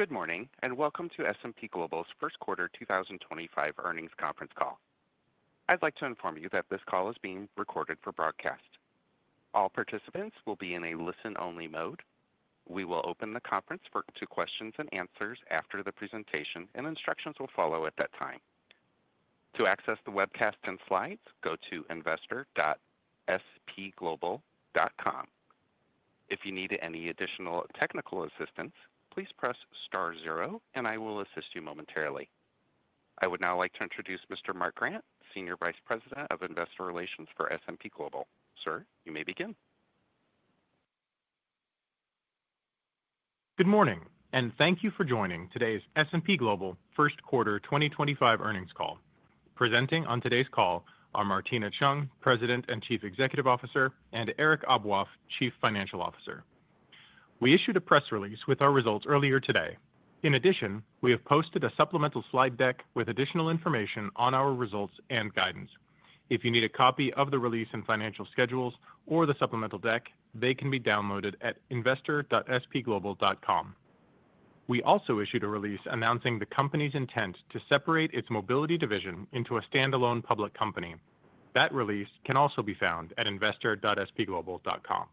Good morning and welcome to S&P Global's first quarter 2025 earnings conference call. I'd like to inform you that this call is being recorded for broadcast. All participants will be in a listen-only mode. We will open the conference for questions and answers after the presentation, and instructions will follow at that time. To access the webcast and slides, go to investor.spglobal.com. If you need any additional technical assistance, please press star zero, and I will assist you momentarily. I would now like to introduce Mr. Mark Grant, Senior Vice President of Investor Relations for S&P Global. Sir, you may begin. Good morning, and thank you for joining today's S&P Global first quarter 2025 earnings call. Presenting on today's call are Martina Cheung, President and Chief Executive Officer, and Eric Aboaf, Chief Financial Officer. We issued a press release with our results earlier today. In addition, we have posted a supplemental slide deck with additional information on our results and guidance. If you need a copy of the release and financial schedules or the supplemental deck, they can be downloaded at investor.spglobal.com. We also issued a release announcing the company's intent to separate its Mobility division into a standalone public company. That release can also be found at investor.spglobal.com.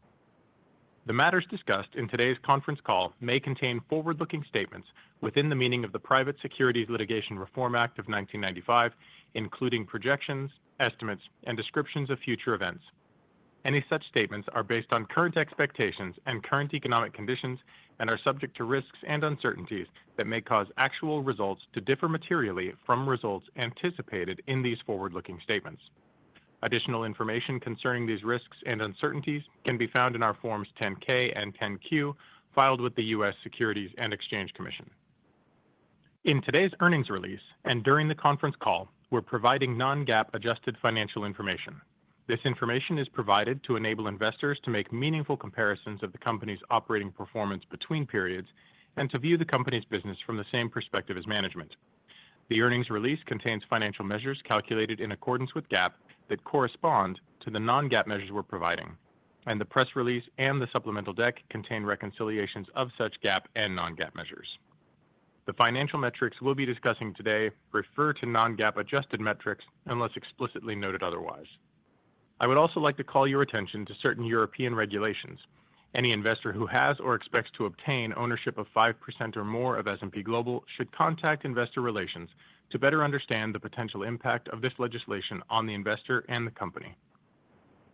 The matters discussed in today's conference call may contain forward-looking statements within the meaning of the Private Securities Litigation Reform Act of 1995, including projections, estimates, and descriptions of future events. Any such statements are based on current expectations and current economic conditions and are subject to risks and uncertainties that may cause actual results to differ materially from results anticipated in these forward-looking statements. Additional information concerning these risks and uncertainties can be found in our Forms 10-K and 10-Q filed with the U.S. Securities and Exchange Commission. In today's earnings release and during the conference call, we're providing non-GAAP-adjusted financial information. This information is provided to enable investors to make meaningful comparisons of the company's operating performance between periods and to view the company's business from the same perspective as management. The earnings release contains financial measures calculated in accordance with GAAP that correspond to the non-GAAP measures we're providing, and the press release and the supplemental deck contain reconciliations of such GAAP and non-GAAP measures. The financial metrics we'll be discussing today refer to non-GAAP-adjusted metrics unless explicitly noted otherwise. I would also like to call your attention to certain European regulations. Any investor who has or expects to obtain ownership of 5% or more of S&P Global should contact investor relations to better understand the potential impact of this legislation on the investor and the company.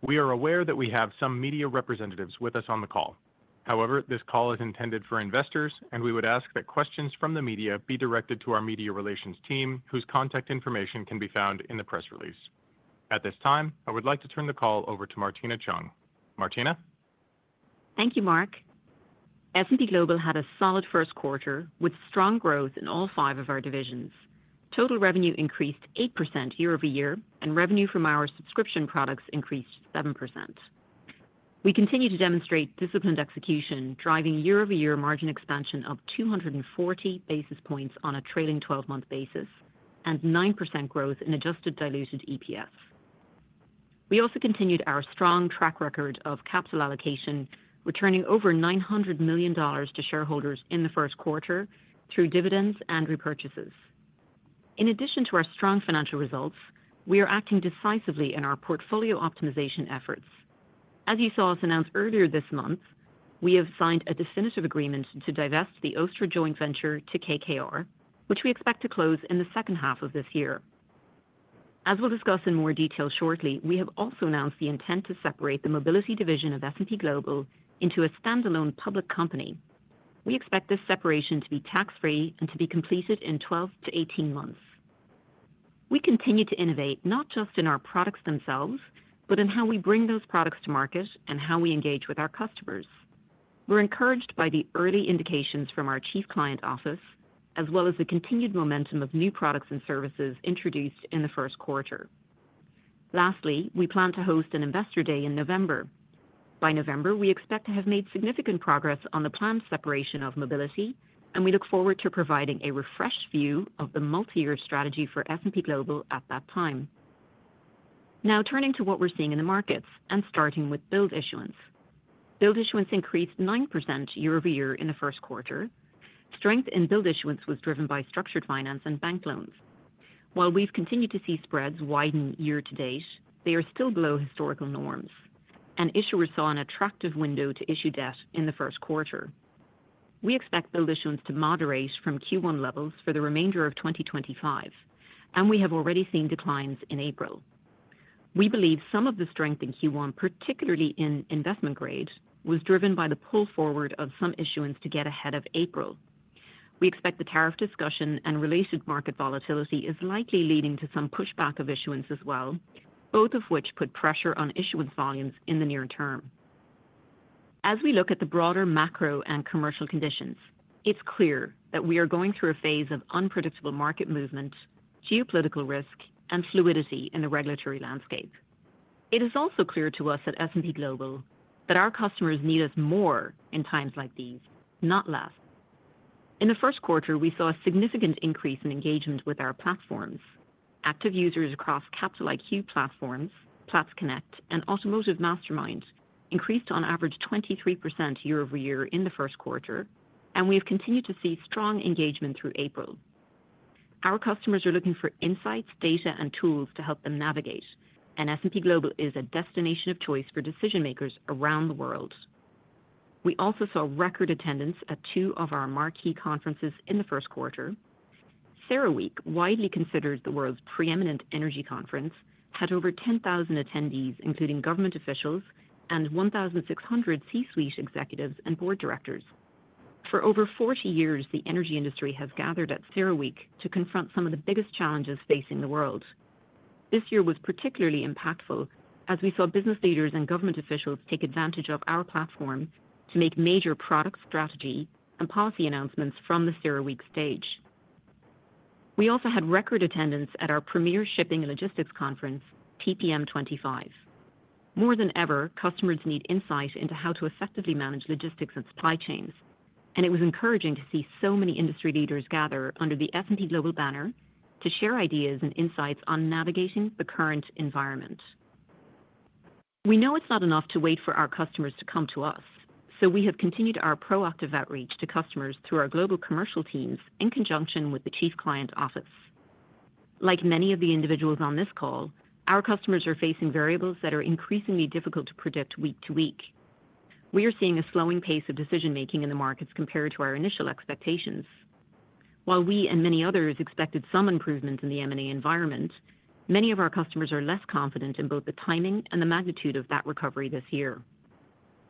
We are aware that we have some media representatives with us on the call. However, this call is intended for investors, and we would ask that questions from the media be directed to our media relations team, whose contact information can be found in the press release. At this time, I would like to turn the call over to Martina Cheung. Martina? Thank you, Mark. S&P Global had a solid first quarter with strong growth in all five of our divisions. Total revenue increased 8% year-over-year, and revenue from our subscription products increased 7%. We continue to demonstrate disciplined execution, driving year-over-year margin expansion of 240 basis points on a trailing 12-month basis and 9% growth in adjusted diluted EPS. We also continued our strong track record of capital allocation, returning over $900 million to shareholders in the first quarter through dividends and repurchases. In addition to our strong financial results, we are acting decisively in our portfolio optimization efforts. As you saw us announce earlier this month, we have signed a definitive agreement to divest the Ostra joint venture to KKR, which we expect to close in the second half of this year. As we'll discuss in more detail shortly, we have also announced the intent to separate the Mobility division of S&P Global into a standalone public company. We expect this separation to be tax-free and to be completed in 12 to 18 months. We continue to innovate not just in our products themselves, but in how we bring those products to market and how we engage with our customers. We're encouraged by the early indications from our Chief Client Office, as well as the continued momentum of new products and services introduced in the first quarter. Lastly, we plan to host an Investor Day in November. By November, we expect to have made significant progress on the planned separation of Mobility, and we look forward to providing a refreshed view of the multi-year strategy for S&P Global at that time. Now, turning to what we're seeing in the markets and starting with build issuance. Build issuance increased 9% year-over-year in the first quarter. Strength in build issuance was driven by structured finance and bank loans. While we've continued to see spreads widen year to date, they are still below historical norms, and issuers saw an attractive window to issue debt in the first quarter. We expect build issuance to moderate from Q1 levels for the remainder of 2025, and we have already seen declines in April. We believe some of the strength in Q1, particularly in investment grade, was driven by the pull forward of some issuance to get ahead of April. We expect the tariff discussion and related market volatility is likely leading to some pushback of issuance as well, both of which put pressure on issuance volumes in the near term. As we look at the broader macro and commercial conditions, it's clear that we are going through a phase of unpredictable market movement, geopolitical risk, and fluidity in the regulatory landscape. It is also clear to us at S&P Global that our customers need us more in times like these, not less. In the first quarter, we saw a significant increase in engagement with our platforms. Active users across Capital IQ platforms, Platts Connect, and automotiveMastermind increased on average 23% year-over-year in the first quarter, and we have continued to see strong engagement through April. Our customers are looking for insights, data, and tools to help them navigate, and S&P Global is a destination of choice for decision-makers around the world. We also saw record attendance at two of our marquee conferences in the first quarter. CERAWeek, widely considered the world's preeminent energy conference, had over 10,000 attendees, including government officials and 1,600 C-suite executives and board directors. For over 40 years, the energy industry has gathered at CERAWeek to confront some of the biggest challenges facing the world. This year was particularly impactful as we saw business leaders and government officials take advantage of our platform to make major product strategy and policy announcements from the CERAWeek stage. We also had record attendance at our premier shipping and logistics conference, TPM25. More than ever, customers need insight into how to effectively manage logistics and supply chains, and it was encouraging to see so many industry leaders gather under the S&P Global banner to share ideas and insights on navigating the current environment. We know it's not enough to wait for our customers to come to us, so we have continued our proactive outreach to customers through our global commercial teams in conjunction with the Chief Client Office. Like many of the individuals on this call, our customers are facing variables that are increasingly difficult to predict week to week. We are seeing a slowing pace of decision-making in the markets compared to our initial expectations. While we and many others expected some improvements in the M&A environment, many of our customers are less confident in both the timing and the magnitude of that recovery this year.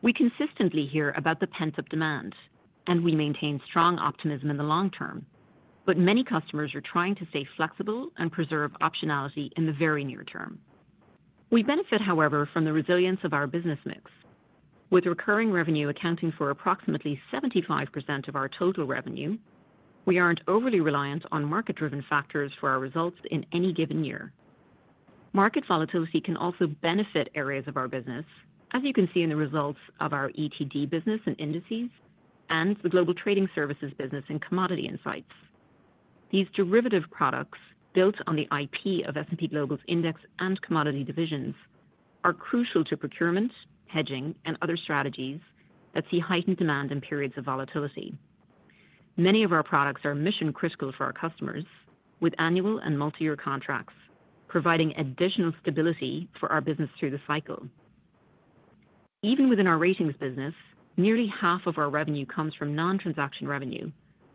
We consistently hear about the pent-up demand, and we maintain strong optimism in the long term, but many customers are trying to stay flexible and preserve optionality in the very near term. We benefit, however, from the resilience of our business mix. With recurring revenue accounting for approximately 75% of our total revenue, we aren't overly reliant on market-driven factors for our results in any given year. Market volatility can also benefit areas of our business, as you can see in the results of our ETD business and indices and the global trading services business and Commodity Insights. These derivative products, built on the IP of S&P Global's index and commodity divisions, are crucial to procurement, hedging, and other strategies that see heightened demand in periods of volatility. Many of our products are mission-critical for our customers, with annual and multi-year contracts providing additional stability for our business through the cycle. Even within our Ratings business, nearly half of our revenue comes from non-transaction revenue,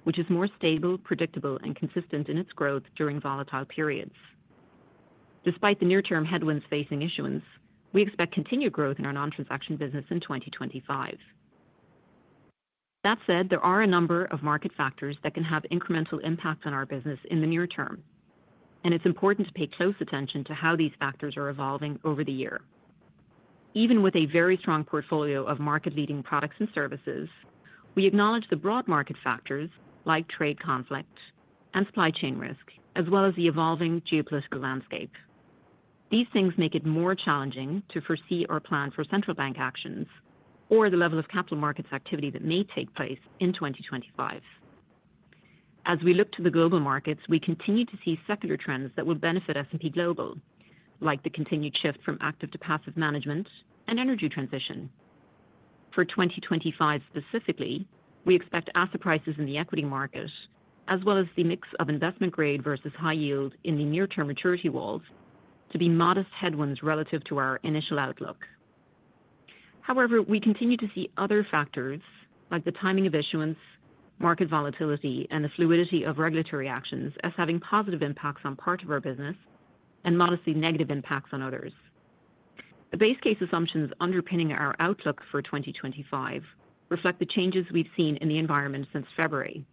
which is more stable, predictable, and consistent in its growth during volatile periods. Despite the near-term headwinds facing issuance, we expect continued growth in our non-transaction business in 2025. That said, there are a number of market factors that can have incremental impact on our business in the near term, and it's important to pay close attention to how these factors are evolving over the year. Even with a very strong portfolio of market-leading products and services, we acknowledge the broad market factors like trade conflict and supply chain risk, as well as the evolving geopolitical landscape. These things make it more challenging to foresee or plan for central bank actions or the level of capital markets activity that may take place in 2025. As we look to the global markets, we continue to see secular trends that will benefit S&P Global, like the continued shift from active to passive management and energy transition. For 2025 specifically, we expect asset prices in the equity market, as well as the mix of investment grade versus high yield in the near-term maturity walls, to be modest headwinds relative to our initial outlook. However, we continue to see other factors like the timing of issuance, market volatility, and the fluidity of regulatory actions as having positive impacts on part of our business and modestly negative impacts on others. The base case assumptions underpinning our outlook for 2025 reflect the changes we have seen in the environment since February.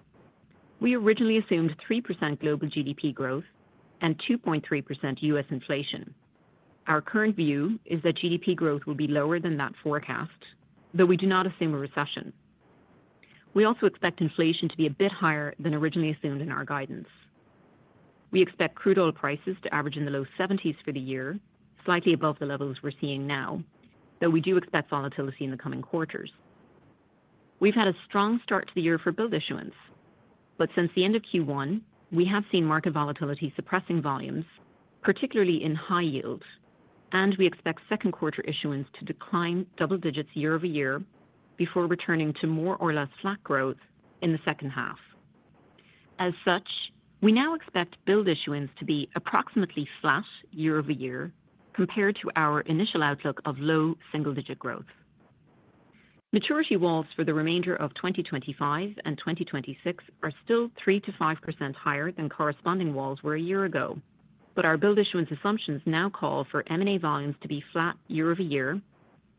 We originally assumed 3% global GDP growth and 2.3% U.S. inflation. Our current view is that GDP growth will be lower than that forecast, though we do not assume a recession. We also expect inflation to be a bit higher than originally assumed in our guidance. We expect crude oil prices to average in the low-$70s for the year, slightly above the levels we're seeing now, though we do expect volatility in the coming quarters. We've had a strong start to the year for build issuance, but since the end of Q1, we have seen market volatility suppressing volumes, particularly in high yield, and we expect second quarter issuance to decline double digits year-over-year before returning to more or less flat growth in the second half. As such, we now expect build issuance to be approximately flat year-over-year compared to our initial outlook of low single-digit growth. Maturity walls for the remainder of 2025 and 2026 are still 3%-5% higher than corresponding walls were a year ago, but our build issuance assumptions now call for M&A volumes to be flat year-over-year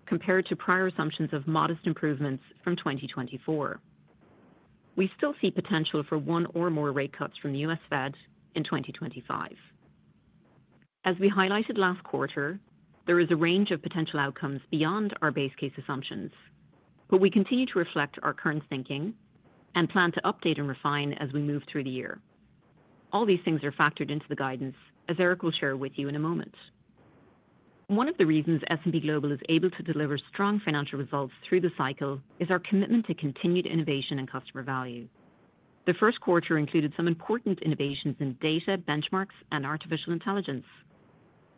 compared to prior assumptions of modest improvements from 2024. We still see potential for one or more rate cuts from the U.S. Fed in 2025. As we highlighted last quarter, there is a range of potential outcomes beyond our base case assumptions, but we continue to reflect our current thinking and plan to update and refine as we move through the year. All these things are factored into the guidance, as Eric will share with you in a moment. One of the reasons S&P Global is able to deliver strong financial results through the cycle is our commitment to continued innovation and customer value. The first quarter included some important innovations in data, benchmarks, and artificial intelligence.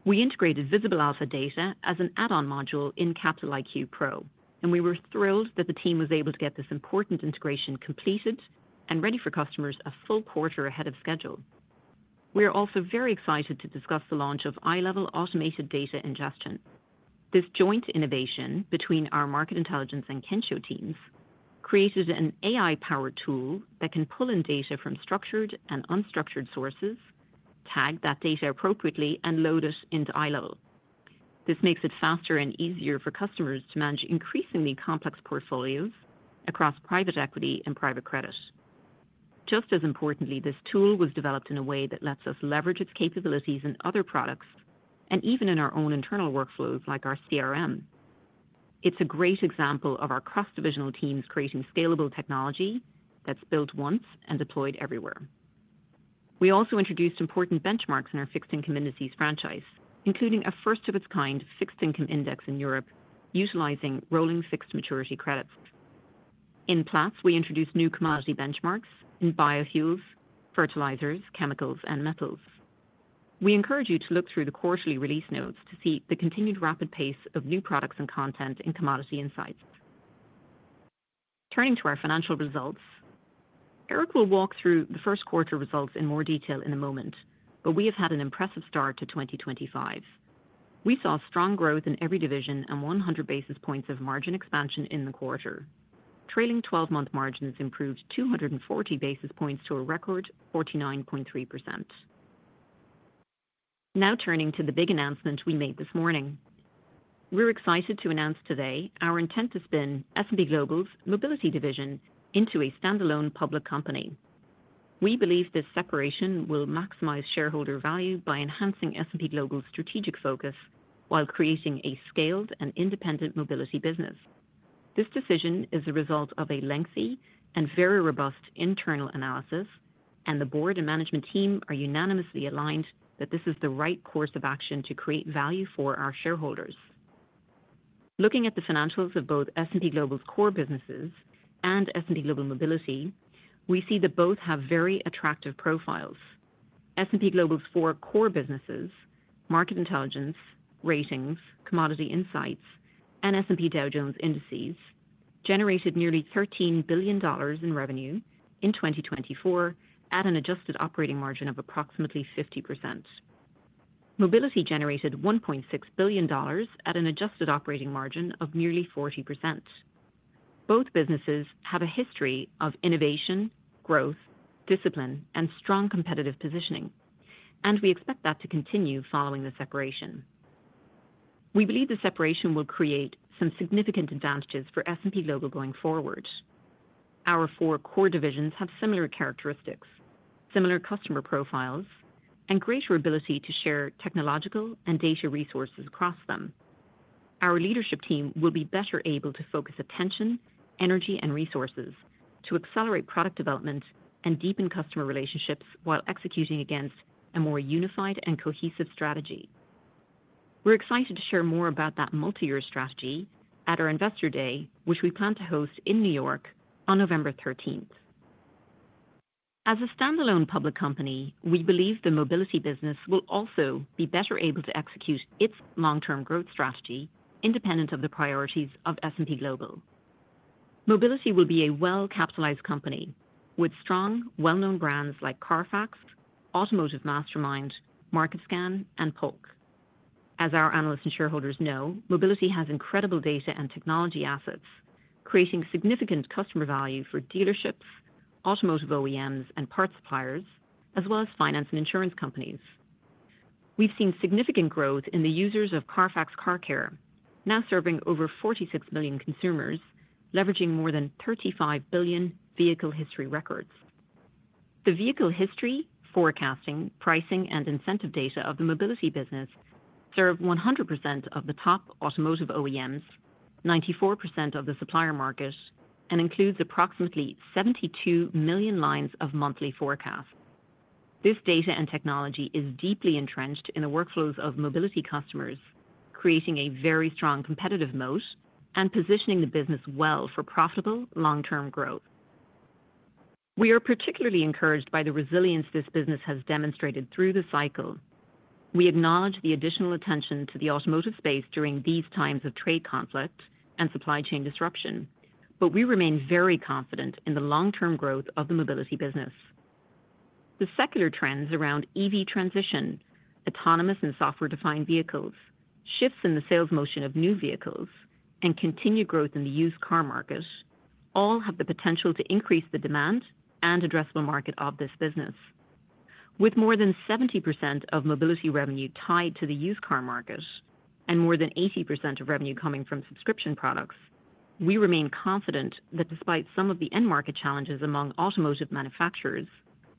We integrated Visible Alpha data as an add-on module in Capital IQ Pro, and we were thrilled that the team was able to get this important integration completed and ready for customers a full quarter ahead of schedule. We are also very excited to discuss the launch of high-level automated data ingestion. This joint innovation between our Market Intelligence and Kensho teams created an AI-powered tool that can pull in data from structured and unstructured sources, tag that data appropriately, and load it into iLevel. This makes it faster and easier for customers to manage increasingly complex portfolios across private equity and private credit. Just as importantly, this tool was developed in a way that lets us leverage its capabilities in other products and even in our own internal workflows like our CRM. It's a great example of our cross-divisional teams creating scalable technology that's built once and deployed everywhere. We also introduced important benchmarks in our fixed income indices franchise, including a first-of-its-kind fixed income index in Europe utilizing rolling fixed maturity credits. In Platts, we introduced new commodity benchmarks in biofuels, fertilizers, chemicals, and metals. We encourage you to look through the quarterly release notes to see the continued rapid pace of new products and content in Commodity Insights. Turning to our financial results, Eric will walk through the first quarter results in more detail in a moment, but we have had an impressive start to 2025. We saw strong growth in every division and 100 basis points of margin expansion in the quarter, trailing 12-month margins improved 240 basis points to a record 49.3%. Now turning to the big announcement we made this morning, we're excited to announce today our intent to spin S&P Global's Mobility division into a standalone public company. We believe this separation will maximize shareholder value by enhancing S&P Global's strategic focus while creating a scaled and independent Mobility business. This decision is the result of a lengthy and very robust internal analysis, and the Board and management team are unanimously aligned that this is the right course of action to create value for our shareholders. Looking at the financials of both S&P Global's core businesses and S&P Global Mobility, we see that both have very attractive profiles. S&P Global's four core businesses, Market Intelligence, Ratings, Commodity Insights, and S&P Dow Jones Indices, generated nearly $13 billion in revenue in 2024 at an adjusted operating margin of approximately 50%. Mobility generated $1.6 billion at an adjusted operating margin of nearly 40%. Both businesses have a history of innovation, growth, discipline, and strong competitive positioning, and we expect that to continue following the separation. We believe the separation will create some significant advantages for S&P Global going forward. Our four core divisions have similar characteristics, similar customer profiles, and greater ability to share technological and data resources across them. Our leadership team will be better able to focus attention, energy, and resources to accelerate product development and deepen customer relationships while executing against a more unified and cohesive strategy. We're excited to share more about that multi-year strategy at our investor day, which we plan to host in New York on November 13. As a standalone public company, we believe the Mobility business will also be better able to execute its long-term growth strategy independent of the priorities of S&P Global. Mobility will be a well-capitalized company with strong, well-known brands like CARFAX, automotiveMastermind, Market Scan, and Polk. As our analysts and shareholders know, Mobility has incredible data and technology assets, creating significant customer value for dealerships, automotive OEMs, and parts suppliers, as well as finance and insurance companies. We've seen significant growth in the users of CARFAX CarCare, now serving over 46 million consumers, leveraging more than 35 billion vehicle history records. The vehicle history, forecasting, pricing, and incentive data of the Mobility business serve 100% of the top automotive OEMs, 94% of the supplier market, and includes approximately 72 million lines of monthly forecast. This data and technology is deeply entrenched in the workflows of mobility customers, creating a very strong competitive moat and positioning the business well for profitable long-term growth. We are particularly encouraged by the resilience this business has demonstrated through the cycle. We acknowledge the additional attention to the automotive space during these times of trade conflict and supply chain disruption, but we remain very confident in the long-term growth of the mobility business. The secular trends around EV transition, autonomous and software-defined vehicles, shifts in the sales motion of new vehicles, and continued growth in the used car market all have the potential to increase the demand and addressable market of this business. With more than 70% of mobility revenue tied to the used car market and more than 80% of revenue coming from subscription products, we remain confident that despite some of the end-market challenges among automotive manufacturers,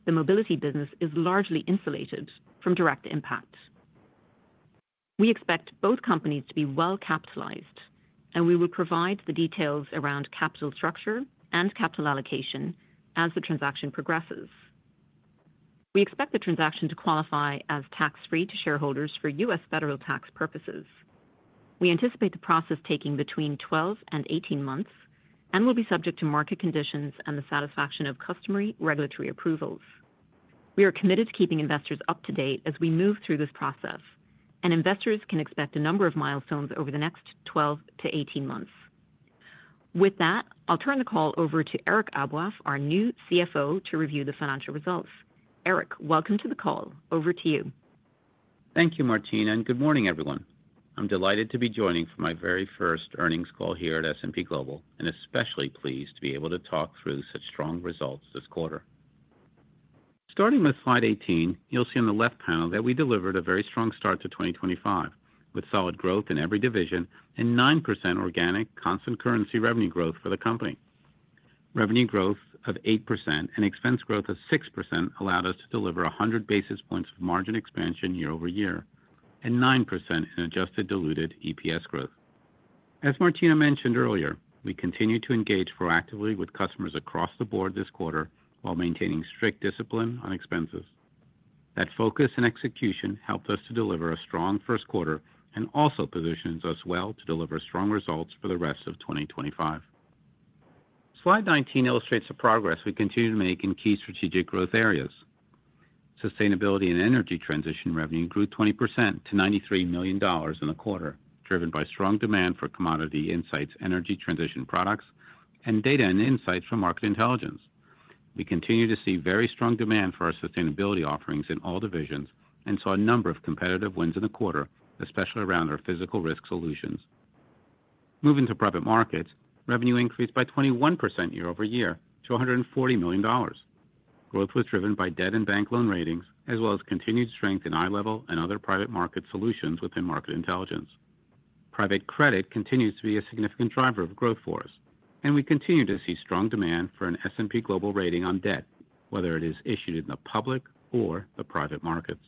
the mobility business is largely insulated from direct impact. We expect both companies to be well-capitalized, and we will provide the details around capital structure and capital allocation as the transaction progresses. We expect the transaction to qualify as tax-free to shareholders for U.S. federal tax purposes. We anticipate the process taking between 12 and 18 months and will be subject to market conditions and the satisfaction of customary regulatory approvals. We are committed to keeping investors up to date as we move through this process, and investors can expect a number of milestones over the next 12 to 18 months. With that, I'll turn the call over to Eric Aboaf, our new CFO, to review the financial results. Eric, welcome to the call. Over to you. Thank you, Martina, and good morning, everyone. I'm delighted to be joining for my very first earnings call here at S&P Global and especially pleased to be able to talk through such strong results this quarter. Starting with slide 18, you'll see on the left panel that we delivered a very strong start to 2025 with solid growth in every division and 9% organic constant currency revenue growth for the company. Revenue growth of 8% and expense growth of 6% allowed us to deliver 100 basis points of margin expansion year-over-year and 9% in adjusted diluted EPS growth. As Martina mentioned earlier, we continue to engage proactively with customers across the board this quarter while maintaining strict discipline on expenses. That focus and execution helped us to deliver a strong first quarter and also positions us well to deliver strong results for the rest of 2025. Slide 19 illustrates the progress we continue to make in key strategic growth areas. Sustainability and energy transition revenue grew 20% to $93 million in the quarter, driven by strong demand for Commodity Insights, energy transition products, and data and insights from Market Intelligence. We continue to see very strong demand for our sustainability offerings in all divisions and saw a number of competitive wins in the quarter, especially around our physical risk solutions. Moving to private markets, revenue increased by 21% year-over-year to $140 million. Growth was driven by debt and bank loan ratings, as well as continued strength in iLevel and other private market solutions within Market Intelligence. Private credit continues to be a significant driver of growth for us, and we continue to see strong demand for an S&P Global rating on debt, whether it is issued in the public or the private markets.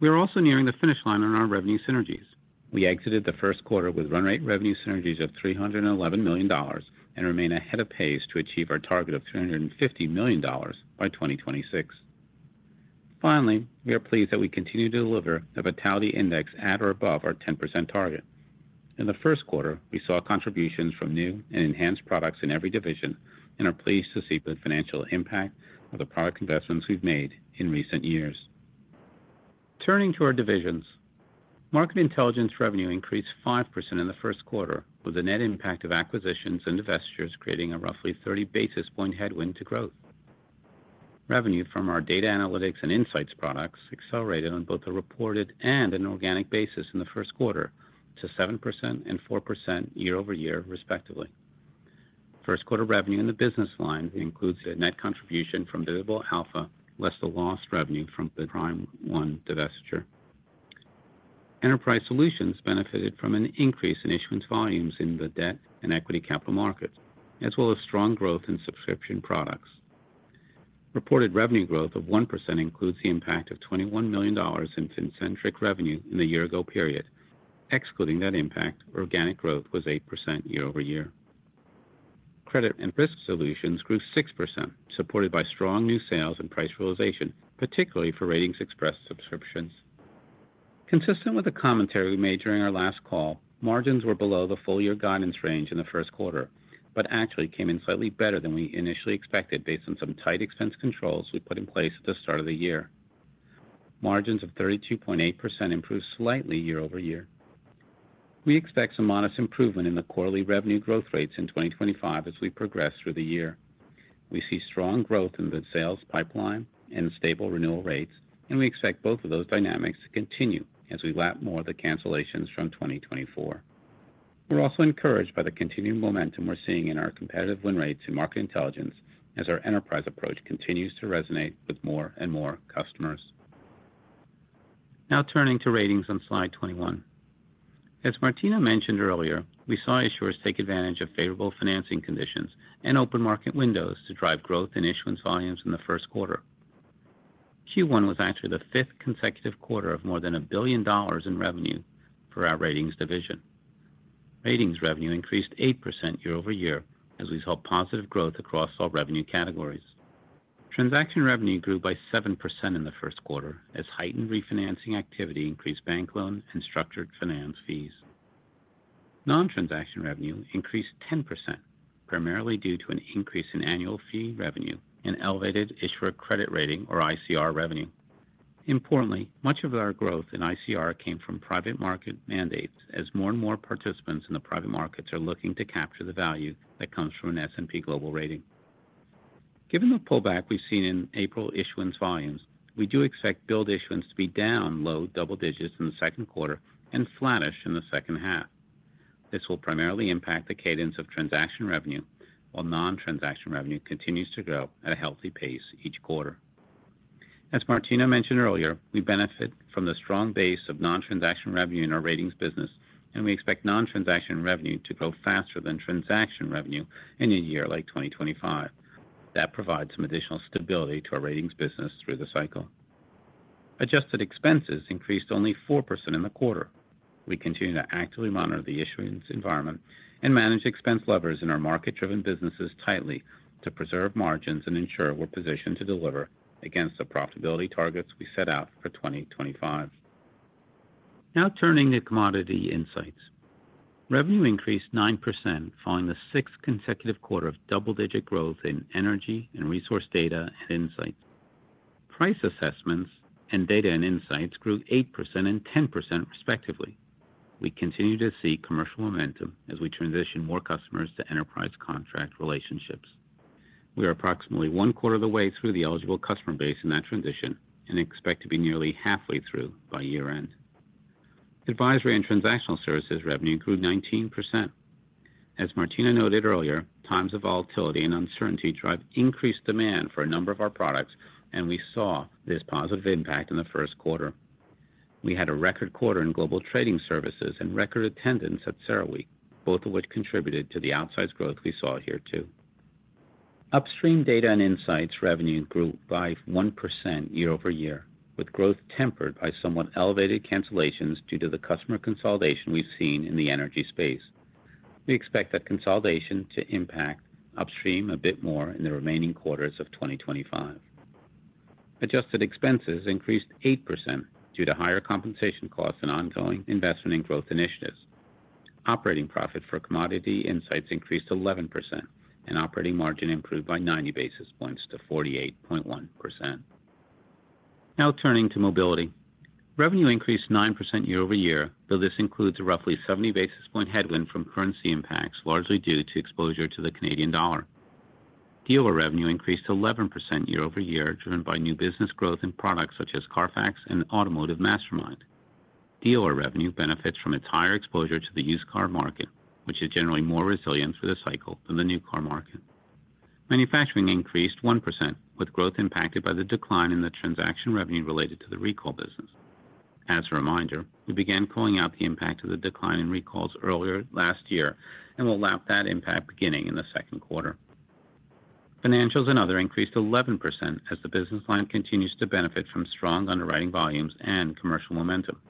We are also nearing the finish line on our revenue synergies. We exited the first quarter with run rate revenue synergies of $311 million and remain ahead of pace to achieve our target of $350 million by 2026. Finally, we are pleased that we continue to deliver the vitality index at or above our 10% target. In the first quarter, we saw contributions from new and enhanced products in every division and are pleased to see the financial impact of the product investments we've made in recent years. Turning to our divisions, Market Intelligence revenue increased 5% in the first quarter, with the net impact of acquisitions and divestitures creating a roughly 30 basis point headwind to growth. Revenue from our data analytics and insights products accelerated on both a reported and an organic basis in the first quarter to 7% and 4% year-over-year, respectively. First quarter revenue in the business line includes a net contribution from Visible Alpha less the lost revenue from the PrimeOne divestiture. Enterprise Solutions benefited from an increase in issuance volumes in the debt and equity capital markets, as well as strong growth in subscription products. Reported revenue growth of 1% includes the impact of $21 million in fin-centric revenue in the year-ago period. Excluding that impact, organic growth was 8% year-over-year. Credit and risk solutions grew 6%, supported by strong new sales and price realization, particularly for ratings-expressed subscriptions. Consistent with the commentary we made during our last call, margins were below the full-year guidance range in the first quarter, but actually came in slightly better than we initially expected based on some tight expense controls we put in place at the start of the year. Margins of 32.8% improved slightly year-over-year. We expect some modest improvement in the quarterly revenue growth rates in 2025 as we progress through the year. We see strong growth in the sales pipeline and stable renewal rates, and we expect both of those dynamics to continue as we lap more of the cancellations from 2024. We're also encouraged by the continued momentum we're seeing in our competitive win rates and Market Intelligence as our enterprise approach continues to resonate with more and more customers. Now turning to Ratings on slide 21. As Martina mentioned earlier, we saw issuers take advantage of favorable financing conditions and open market windows to drive growth in issuance volumes in the first quarter. Q1 was actually the fifth consecutive quarter of more than $1 billion in revenue for our Ratings division. Ratings revenue increased 8% year-over-year as we saw positive growth across all revenue categories. Transaction revenue grew by 7% in the first quarter as heightened refinancing activity increased bank loan and structured finance fees. Non-transaction revenue increased 10%, primarily due to an increase in annual fee revenue and elevated issuer credit rating, or ICR, revenue. Importantly, much of our growth in ICR came from private market mandates as more and more participants in the private markets are looking to capture the value that comes from an S&P Global rating. Given the pullback we've seen in April issuance volumes, we do expect build issuance to be down low double digits in the second quarter and flattish in the second half. This will primarily impact the cadence of transaction revenue while non-transaction revenue continues to grow at a healthy pace each quarter. As Martina mentioned earlier, we benefit from the strong base of non-transaction revenue in our ratings business, and we expect non-transaction revenue to grow faster than transaction revenue in a year like 2025. That provides some additional stability to our ratings business through the cycle. Adjusted expenses increased only 4% in the quarter. We continue to actively monitor the issuance environment and manage expense levers in our market-driven businesses tightly to preserve margins and ensure we're positioned to deliver against the profitability targets we set out for 2025. Now turning to Commodity Insights. Revenue increased 9% following the sixth consecutive quarter of double-digit growth in energy and resource data and insights. Price assessments and data and insights grew 8% and 10%, respectively. We continue to see commercial momentum as we transition more customers to enterprise contract relationships. We are approximately one quarter of the way through the eligible customer base in that transition and expect to be nearly halfway through by year-end. Advisory and transactional services revenue grew 19%. As Martina noted earlier, times of volatility and uncertainty drive increased demand for a number of our products, and we saw this positive impact in the first quarter. We had a record quarter in global trading services and record attendance at CERAWeek, both of which contributed to the outsized growth we saw here too. Upstream data and insights revenue grew by 1% year-over-year, with growth tempered by somewhat elevated cancellations due to the customer consolidation we have seen in the energy space. We expect that consolidation to impact upstream a bit more in the remaining quarters of 2025. Adjusted expenses increased 8% due to higher compensation costs and ongoing investment and growth initiatives. Operating profit for Commodity Insights increased 11%, and operating margin improved by 90 basis points to 48.1%. Now turning to Mobility. Revenue increased 9% year-over-year, though this includes a roughly 70 basis point headwind from currency impacts, largely due to exposure to the Canadian dollar. Dealer revenue increased 11% year-over-year, driven by new business growth in products such as CARFAX and automotiveMastermind. Dealer revenue benefits from its higher exposure to the used car market, which is generally more resilient for the cycle than the new car market. Manufacturing increased 1%, with growth impacted by the decline in the transaction revenue related to the recall business. As a reminder, we began calling out the impact of the decline in recalls earlier last year and will lap that impact beginning in the second quarter. Financials and other increased 11% as the business line continues to benefit from strong underwriting volumes and commercial momentum.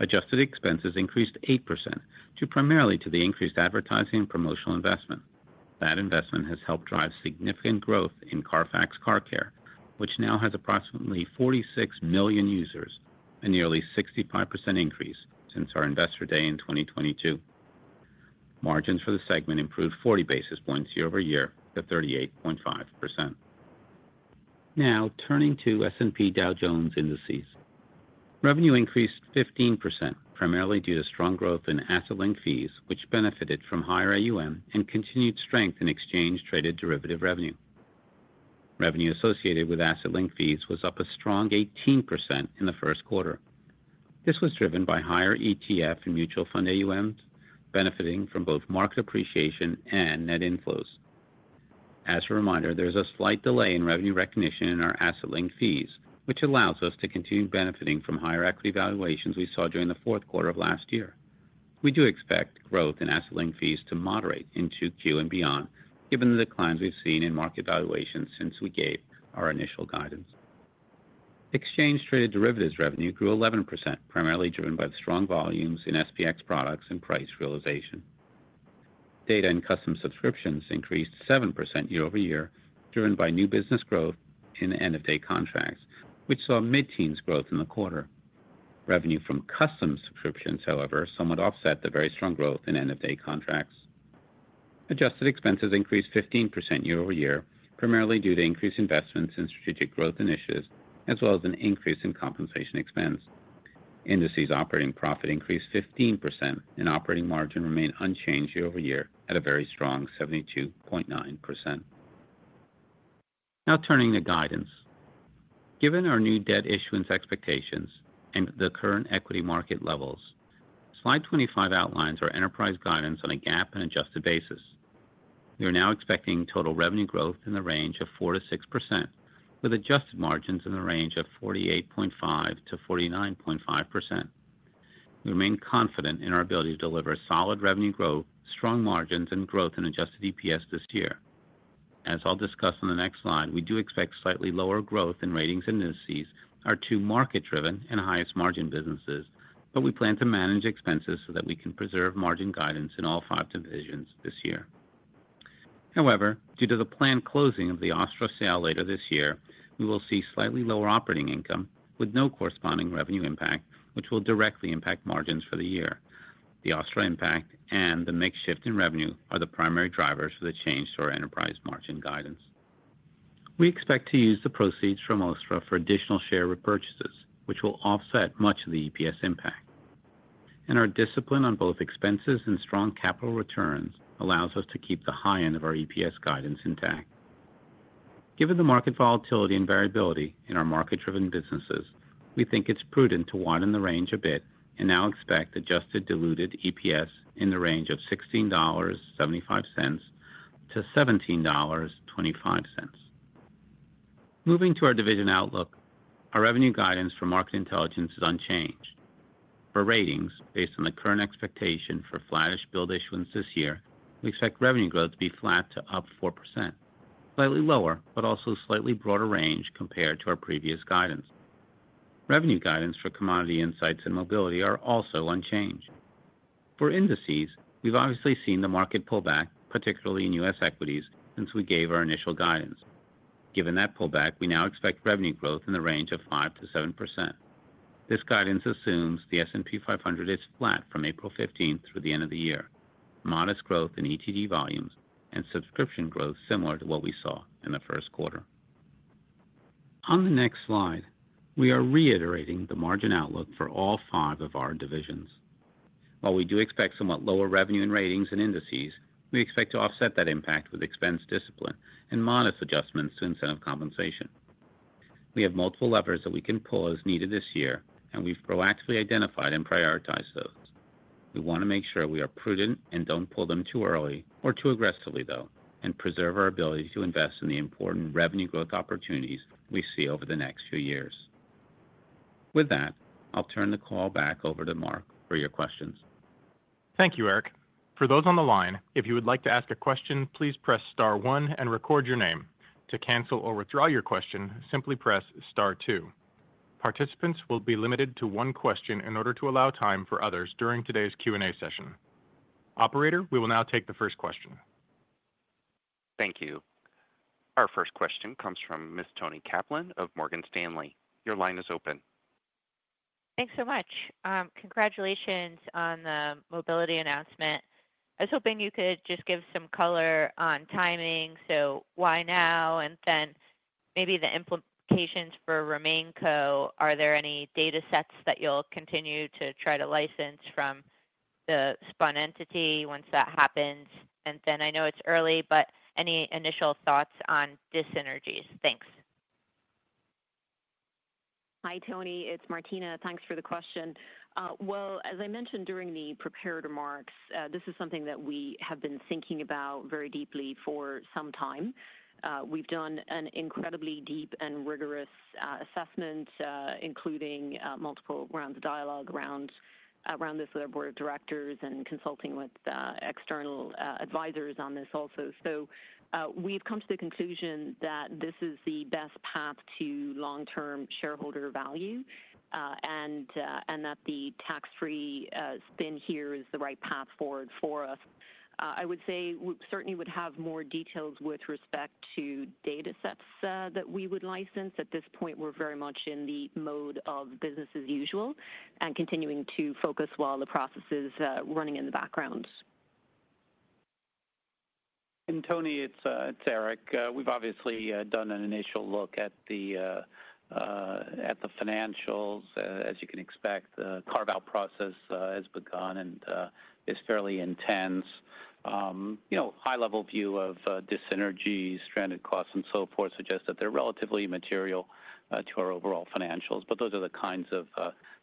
Adjusted expenses increased 8% due primarily to the increased advertising and promotional investment. That investment has helped drive significant growth in CARFAX Car Care, which now has approximately 46 million users, a nearly 65% increase since our investor day in 2022. Margins for the segment improved 40 basis points year-over-year to 38.5%. Now turning to S&P Dow Jones Indices. Revenue increased 15%, primarily due to strong growth in asset-linked fees, which benefited from higher AUM and continued strength in exchange-traded derivative revenue. Revenue associated with asset-linked fees was up a strong 18% in the first quarter. This was driven by higher ETF and mutual fund AUMs, benefiting from both market appreciation and net inflows. As a reminder, there is a slight delay in revenue recognition in our asset-linked fees, which allows us to continue benefiting from higher equity valuations we saw during the fourth quarter of last year. We do expect growth in asset-linked fees to moderate into Q and beyond, given the declines we have seen in market valuations since we gave our initial guidance. Exchange-traded derivatives revenue grew 11%, primarily driven by the strong volumes in SPX products and price realization. Data and custom subscriptions increased 7% year-over-year, driven by new business growth in end-of-day contracts, which saw mid-teens growth in the quarter. Revenue from custom subscriptions, however, somewhat offset the very strong growth in end-of-day contracts. Adjusted expenses increased 15% year-over-year, primarily due to increased investments in strategic growth initiatives, as well as an increase in compensation expense. Indices' operating profit increased 15%, and operating margin remained unchanged year-over-year at a very strong 72.9%. Now turning to guidance. Given our new debt issuance expectations and the current equity market levels, slide 25 outlines our enterprise guidance on a GAAP and adjusted basis. We are now expecting total revenue growth in the range of 4%-6%, with adjusted margins in the range of 48.5%-49.5%. We remain confident in our ability to deliver solid revenue growth, strong margins, and growth in adjusted EPS this year. As I'll discuss on the next slide, we do expect slightly lower growth in Ratings and Indices, our two market-driven and highest margin businesses, but we plan to manage expenses so that we can preserve margin guidance in all five divisions this year. However, due to the planned closing of the Ostra sale later this year, we will see slightly lower operating income with no corresponding revenue impact, which will directly impact margins for the year. The Ostra impact and the makeshift in revenue are the primary drivers for the change to our enterprise margin guidance. We expect to use the proceeds from Ostra for additional share repurchases, which will offset much of the EPS impact. Our discipline on both expenses and strong capital returns allows us to keep the high end of our EPS guidance intact. Given the market volatility and variability in our market-driven businesses, we think it's prudent to widen the range a bit and now expect adjusted diluted EPS in the range of $16.75-$17.25. Moving to our division outlook, our revenue guidance for Market Intelligence is unchanged. For Ratings, based on the current expectation for flattish build issuance this year, we expect revenue growth to be flat to up 4%, slightly lower, but also slightly broader range compared to our previous guidance. Revenue guidance for Commodity Insights and Mobility are also unchanged. For Indices, we have obviously seen the market pullback, particularly in U.S. equities, since we gave our initial guidance. Given that pullback, we now expect revenue growth in the range of 5%-7%. This guidance assumes the S&P 500 is flat from April 15 through the end of the year, modest growth in ETD volumes, and subscription growth similar to what we saw in the first quarter. On the next slide, we are reiterating the margin outlook for all five of our divisions. While we do expect somewhat lower revenue in Ratings and Indices, we expect to offset that impact with expense discipline and modest adjustments to incentive compensation. We have multiple levers that we can pull as needed this year, and we've proactively identified and prioritized those. We want to make sure we are prudent and don't pull them too early or too aggressively, though, and preserve our ability to invest in the important revenue growth opportunities we see over the next few years. With that, I'll turn the call back over to Mark for your questions. Thank you, Eric. For those on the line, if you would like to ask a question, please press star one and record your name. To cancel or withdraw your question, simply press star two. Participants will be limited to one question in order to allow time for others during today's Q&A session. Operator, we will now take the first question. Thank you. Our first question comes from Ms. Toni Kaplan of Morgan Stanley. Your line is open. Thanks so much. Congratulations on the mobility announcement. I was hoping you could just give some color on timing, so why now? Maybe the implications for RemainCo. Are there any data sets that you'll continue to try to license from the spun entity once that happens? I know it's early, but any initial thoughts on DysEnergies? Thanks. Hi, Toni. It's Martina. Thanks for the question. As I mentioned during the preparer remarks, this is something that we have been thinking about very deeply for some time. We have done an incredibly deep and rigorous assessment, including multiple rounds of dialogue around this with our board of directors and consulting with external advisors on this also. We have come to the conclusion that this is the best path to long-term shareholder value and that the tax-free spin here is the right path forward for us. I would say we certainly would have more details with respect to data sets that we would license. At this point, we are very much in the mode of business as usual and continuing to focus while the process is running in the background. Toni, it is Eric. We have obviously done an initial look at the financials. As you can expect, the carve-out process has begun and is fairly intense. High-level view of DysEnergies, stranded costs, and so forth suggests that they're relatively immaterial to our overall financials. Those are the kinds of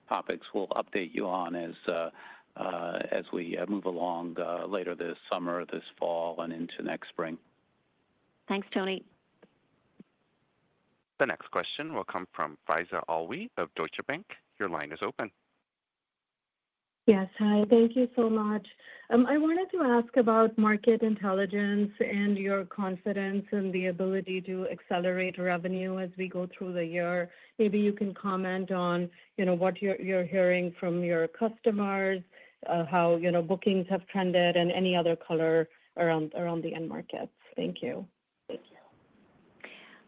topics we'll update you on as we move along later this summer, this fall, and into next spring. Thanks, Toni. The next question will come from Faiza Alwy of Deutsche Bank. Your line is open. Yes, hi. Thank you so much. I wanted to ask about market intelligence and your confidence in the ability to accelerate revenue as we go through the year. Maybe you can comment on what you're hearing from your customers, how bookings have trended, and any other color around the end markets. Thank you.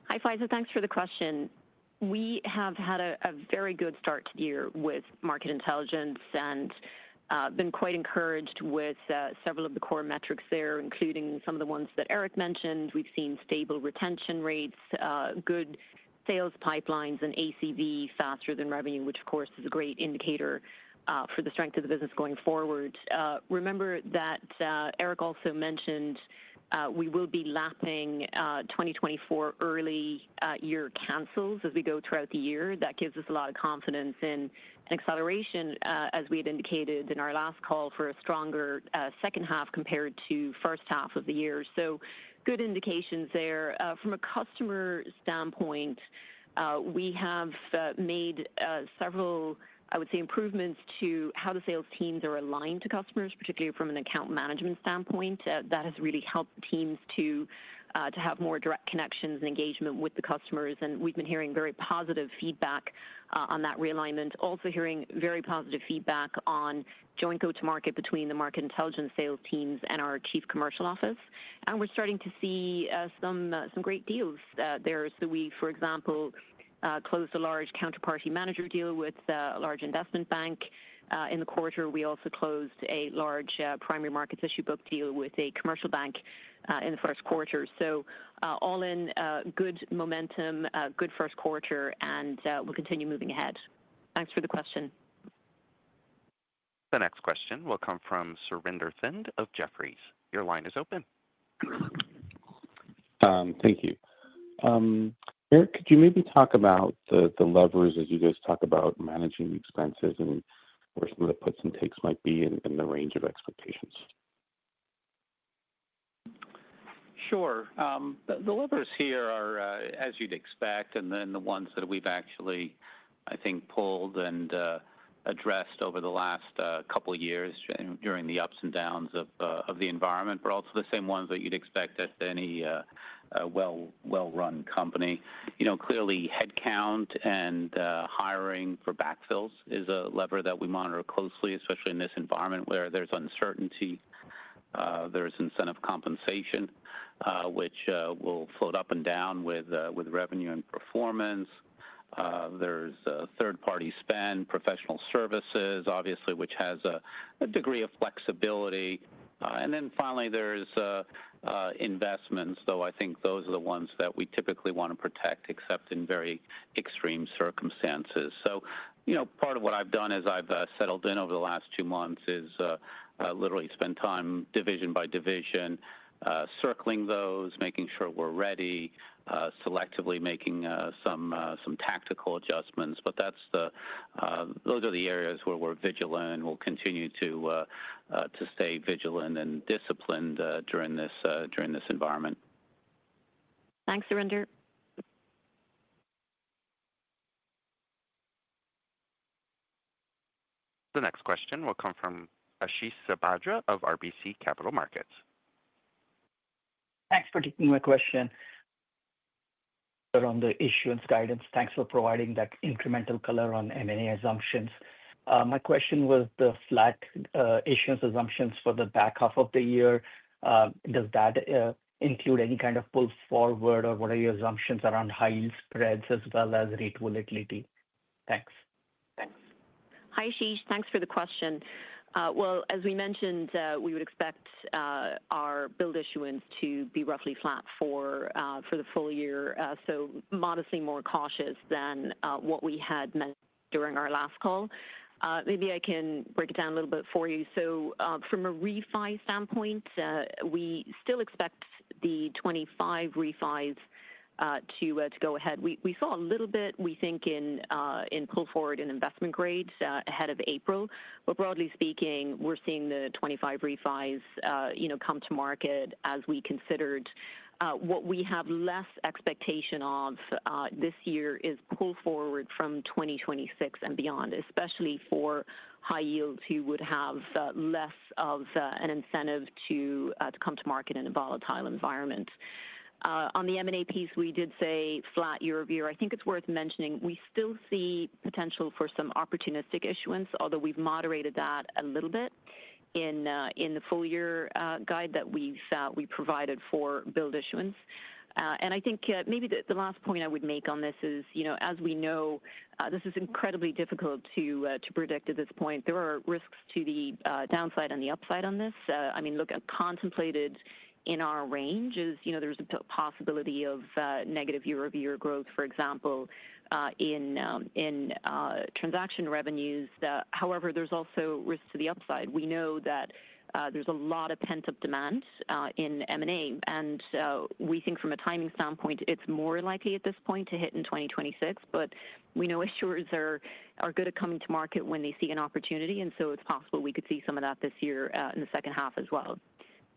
Hi, Faiza. Thanks for the question. We have had a very good start to the year with Market Intelligence and been quite encouraged with several of the core metrics there, including some of the ones that Eric mentioned. We have seen stable retention rates, good sales pipelines, and ACV faster than revenue, which, of course, is a great indicator for the strength of the business going forward. Remember that Eric also mentioned we will be lapping 2024 early year cancels as we go throughout the year. That gives us a lot of confidence in an acceleration, as we had indicated in our last call, for a stronger second half compared to first half of the year. Good indications there. From a customer standpoint, we have made several, I would say, improvements to how the sales teams are aligned to customers, particularly from an account management standpoint. That has really helped teams to have more direct connections and engagement with the customers. We have been hearing very positive feedback on that realignment. Also hearing very positive feedback on joint go-to-market between the Market Intelligence sales teams and our Chief Commercial Office. We are starting to see some great deals there. For example, we closed a large counterparty manager deal with a large investment bank in the quarter. We also closed a large primary markets issue book deal with a commercial bank in the first quarter. All in good momentum, good first quarter, and we will continue moving ahead. Thanks for the question. The next question will come from Surinder Thind of Jefferies. Your line is open. Thank you. Eric, could you maybe talk about the levers as you guys talk about managing expenses and where some of the puts and takes might be in the range of expectations? Sure. The levers here are, as you'd expect, and then the ones that we've actually, I think, pulled and addressed over the last couple of years during the ups and downs of the environment, but also the same ones that you'd expect at any well-run company. Clearly, headcount and hiring for backfills is a lever that we monitor closely, especially in this environment where there's uncertainty. There's incentive compensation, which will float up and down with revenue and performance. There's third-party spend, professional services, obviously, which has a degree of flexibility. Finally, there's investments, though I think those are the ones that we typically want to protect, except in very extreme circumstances. Part of what I've done as I've settled in over the last two months is literally spend time division by division, circling those, making sure we're ready, selectively making some tactical adjustments. Those are the areas where we're vigilant and we'll continue to stay vigilant and disciplined during this environment. Thanks, Surinder. The next question will come from Ashish Sabadra of RBC Capital Markets. Thanks for taking my question around the issuance guidance. Thanks for providing that incremental color on M&A assumptions. My question was the flat issuance assumptions for the back half of the year. Does that include any kind of pulls forward or what are your assumptions around high yield spreads as well as rate volatility? Thanks. Hi, Ashish. Thanks for the question. As we mentioned, we would expect our build issuance to be roughly flat for the full year, so modestly more cautious than what we had meant during our last call. Maybe I can break it down a little bit for you. From a refi standpoint, we still expect the 25 refis to go ahead. We saw a little bit, we think, in pull forward in investment grades ahead of April. Broadly speaking, we are seeing the 25 refis come to market as we considered. What we have less expectation of this year is pull forward from 2026 and beyond, especially for high yields who would have less of an incentive to come to market in a volatile environment. On the M&A piece, we did say flat year-over-year. I think it's worth mentioning we still see potential for some opportunistic issuance, although we've moderated that a little bit in the full year guide that we provided for build issuance. I think maybe the last point I would make on this is, as we know, this is incredibly difficult to predict at this point. There are risks to the downside and the upside on this. I mean, look at contemplated in our range, there's a possibility of negative year-over-year growth, for example, in transaction revenues. However, there's also risks to the upside. We know that there's a lot of pent-up demand in M&A, and we think from a timing standpoint, it's more likely at this point to hit in 2026. We know issuers are good at coming to market when they see an opportunity, and so it's possible we could see some of that this year in the second half as well.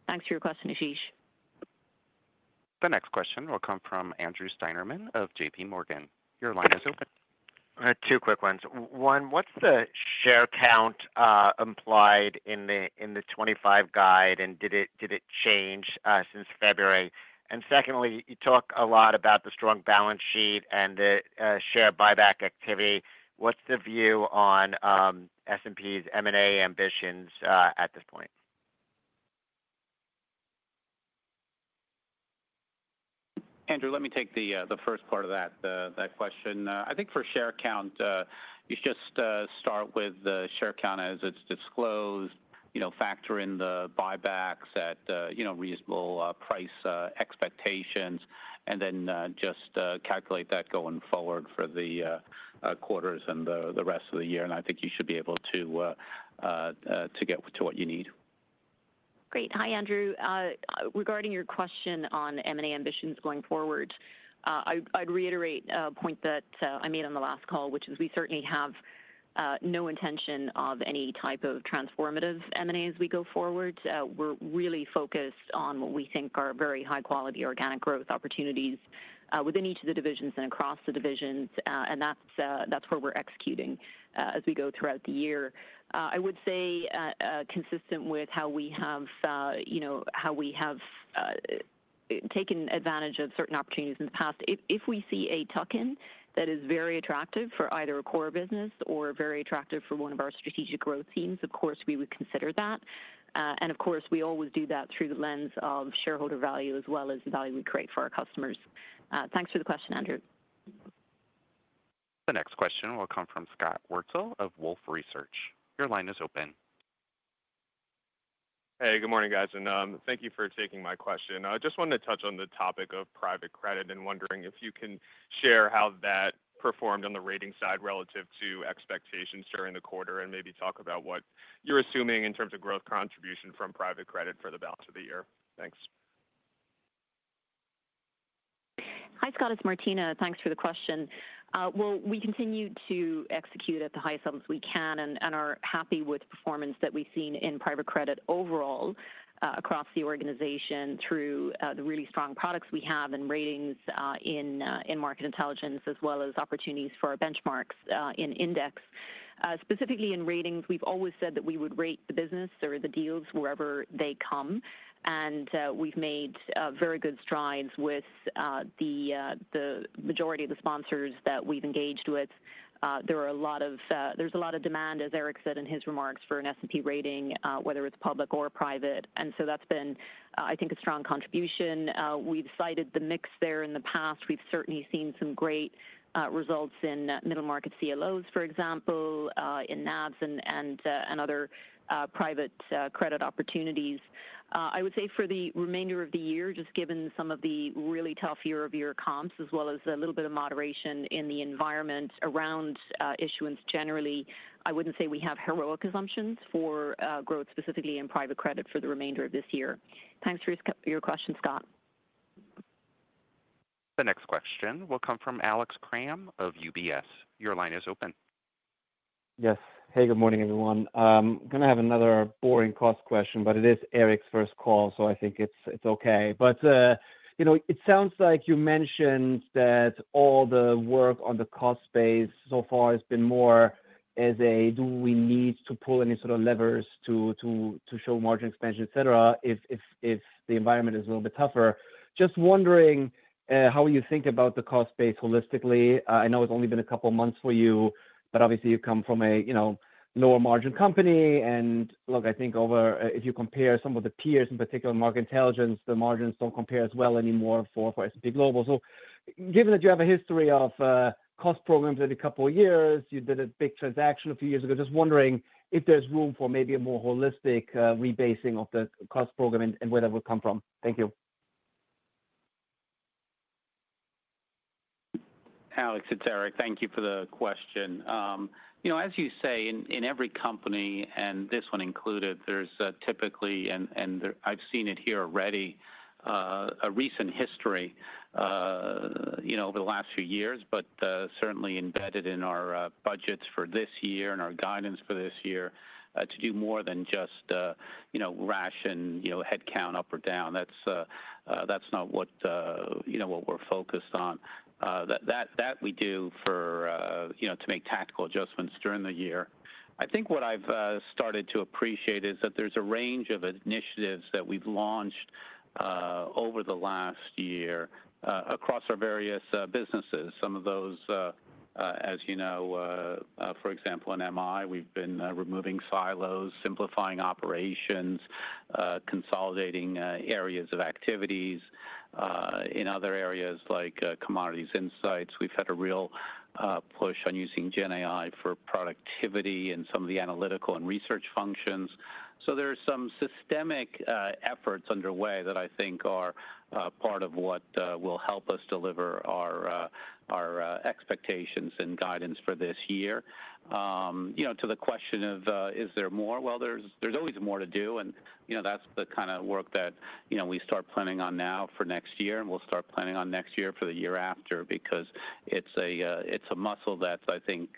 Thanks for your question, Ashish. The next question will come from Andrew Steinerman of JPMorgan. Your line is open. Two quick ones. One, what's the share count implied in the 2025 guide, and did it change since February? And secondly, you talk a lot about the strong balance sheet and the share buyback activity. What's the view on S&P's M&A ambitions at this point? Andrew, let me take the first part of that question. I think for share count, you just start with the share count as it's disclosed, factor in the buybacks at reasonable price expectations, and then just calculate that going forward for the quarters and the rest of the year. I think you should be able to get to what you need. Great. Hi, Andrew. Regarding your question on M&A ambitions going forward, I'd reiterate a point that I made on the last call, which is we certainly have no intention of any type of transformative M&A as we go forward. We're really focused on what we think are very high-quality organic growth opportunities within each of the divisions and across the divisions, and that's where we're executing as we go throughout the year. I would say consistent with how we have taken advantage of certain opportunities in the past, if we see a tuck-in that is very attractive for either a core business or very attractive for one of our strategic growth teams, of course, we would consider that. Of course, we always do that through the lens of shareholder value as well as the value we create for our customers. Thanks for the question, Andrew. The next question will come from Scott Wurtzel of Wolfe Research. Your line is open. Hey, good morning, guys, and thank you for taking my question. I just wanted to touch on the topic of private credit and wondering if you can share how that performed on the rating side relative to expectations during the quarter and maybe talk about what you're assuming in terms of growth contribution from private credit for the balance of the year. Thanks. Hi, Scott. It's Martina. Thanks for the question. We continue to execute at the highest levels we can and are happy with performance that we've seen in private credit overall across the organization through the really strong products we have in Ratings and Market Intelligence as well as opportunities for our benchmarks in index. Specifically in Ratings, we've always said that we would rate the business or the deals wherever they come. We've made very good strides with the majority of the sponsors that we've engaged with. There is a lot of demand, as Eric said in his remarks, for an S&P rating, whether it's public or private. That's been, I think, a strong contribution. We've cited the mix there in the past. We've certainly seen some great results in middle market CLOs, for example, in NAVs and other private credit opportunities. I would say for the remainder of the year, just given some of the really tough year-over-year comps as well as a little bit of moderation in the environment around issuance generally, I would not say we have heroic assumptions for growth specifically in private credit for the remainder of this year. Thanks for your question, Scott. The next question will come from Alex Cram of UBS. Your line is open. Yes. Hey, good morning, everyone. I am going to have another boring cost question, but it is Eric's first call, so I think it is okay. It sounds like you mentioned that all the work on the cost base so far has been more as a, do we need to pull any sort of levers to show margin expansion, etc., if the environment is a little bit tougher. Just wondering how you think about the cost base holistically. I know it's only been a couple of months for you, but obviously you come from a lower margin company. Look, I think if you compare some of the peers, in particular Market Intelligence, the margins don't compare as well anymore for S&P Global. Given that you have a history of cost programs every couple of years, you did a big transaction a few years ago, just wondering if there's room for maybe a more holistic rebasing of the cost program and where that would come from. Thank you. Alex, it's Eric. Thank you for the question. As you say, in every company, and this one included, there's typically, and I've seen it here already, a recent history over the last few years, but certainly embedded in our budgets for this year and our guidance for this year to do more than just ration headcount up or down. That's not what we're focused on. That we do to make tactical adjustments during the year. I think what I've started to appreciate is that there's a range of initiatives that we've launched over the last year across our various businesses. Some of those, as you know, for example, in MI, we've been removing silos, simplifying operations, consolidating areas of activities. In other areas like Commodity Insights, we've had a real push on using GenAI for productivity and some of the analytical and research functions. There are some systemic efforts underway that I think are part of what will help us deliver our expectations and guidance for this year. To the question of, is there more? There is always more to do, and that is the kind of work that we start planning on now for next year, and we will start planning on next year for the year after because it is a muscle that is, I think,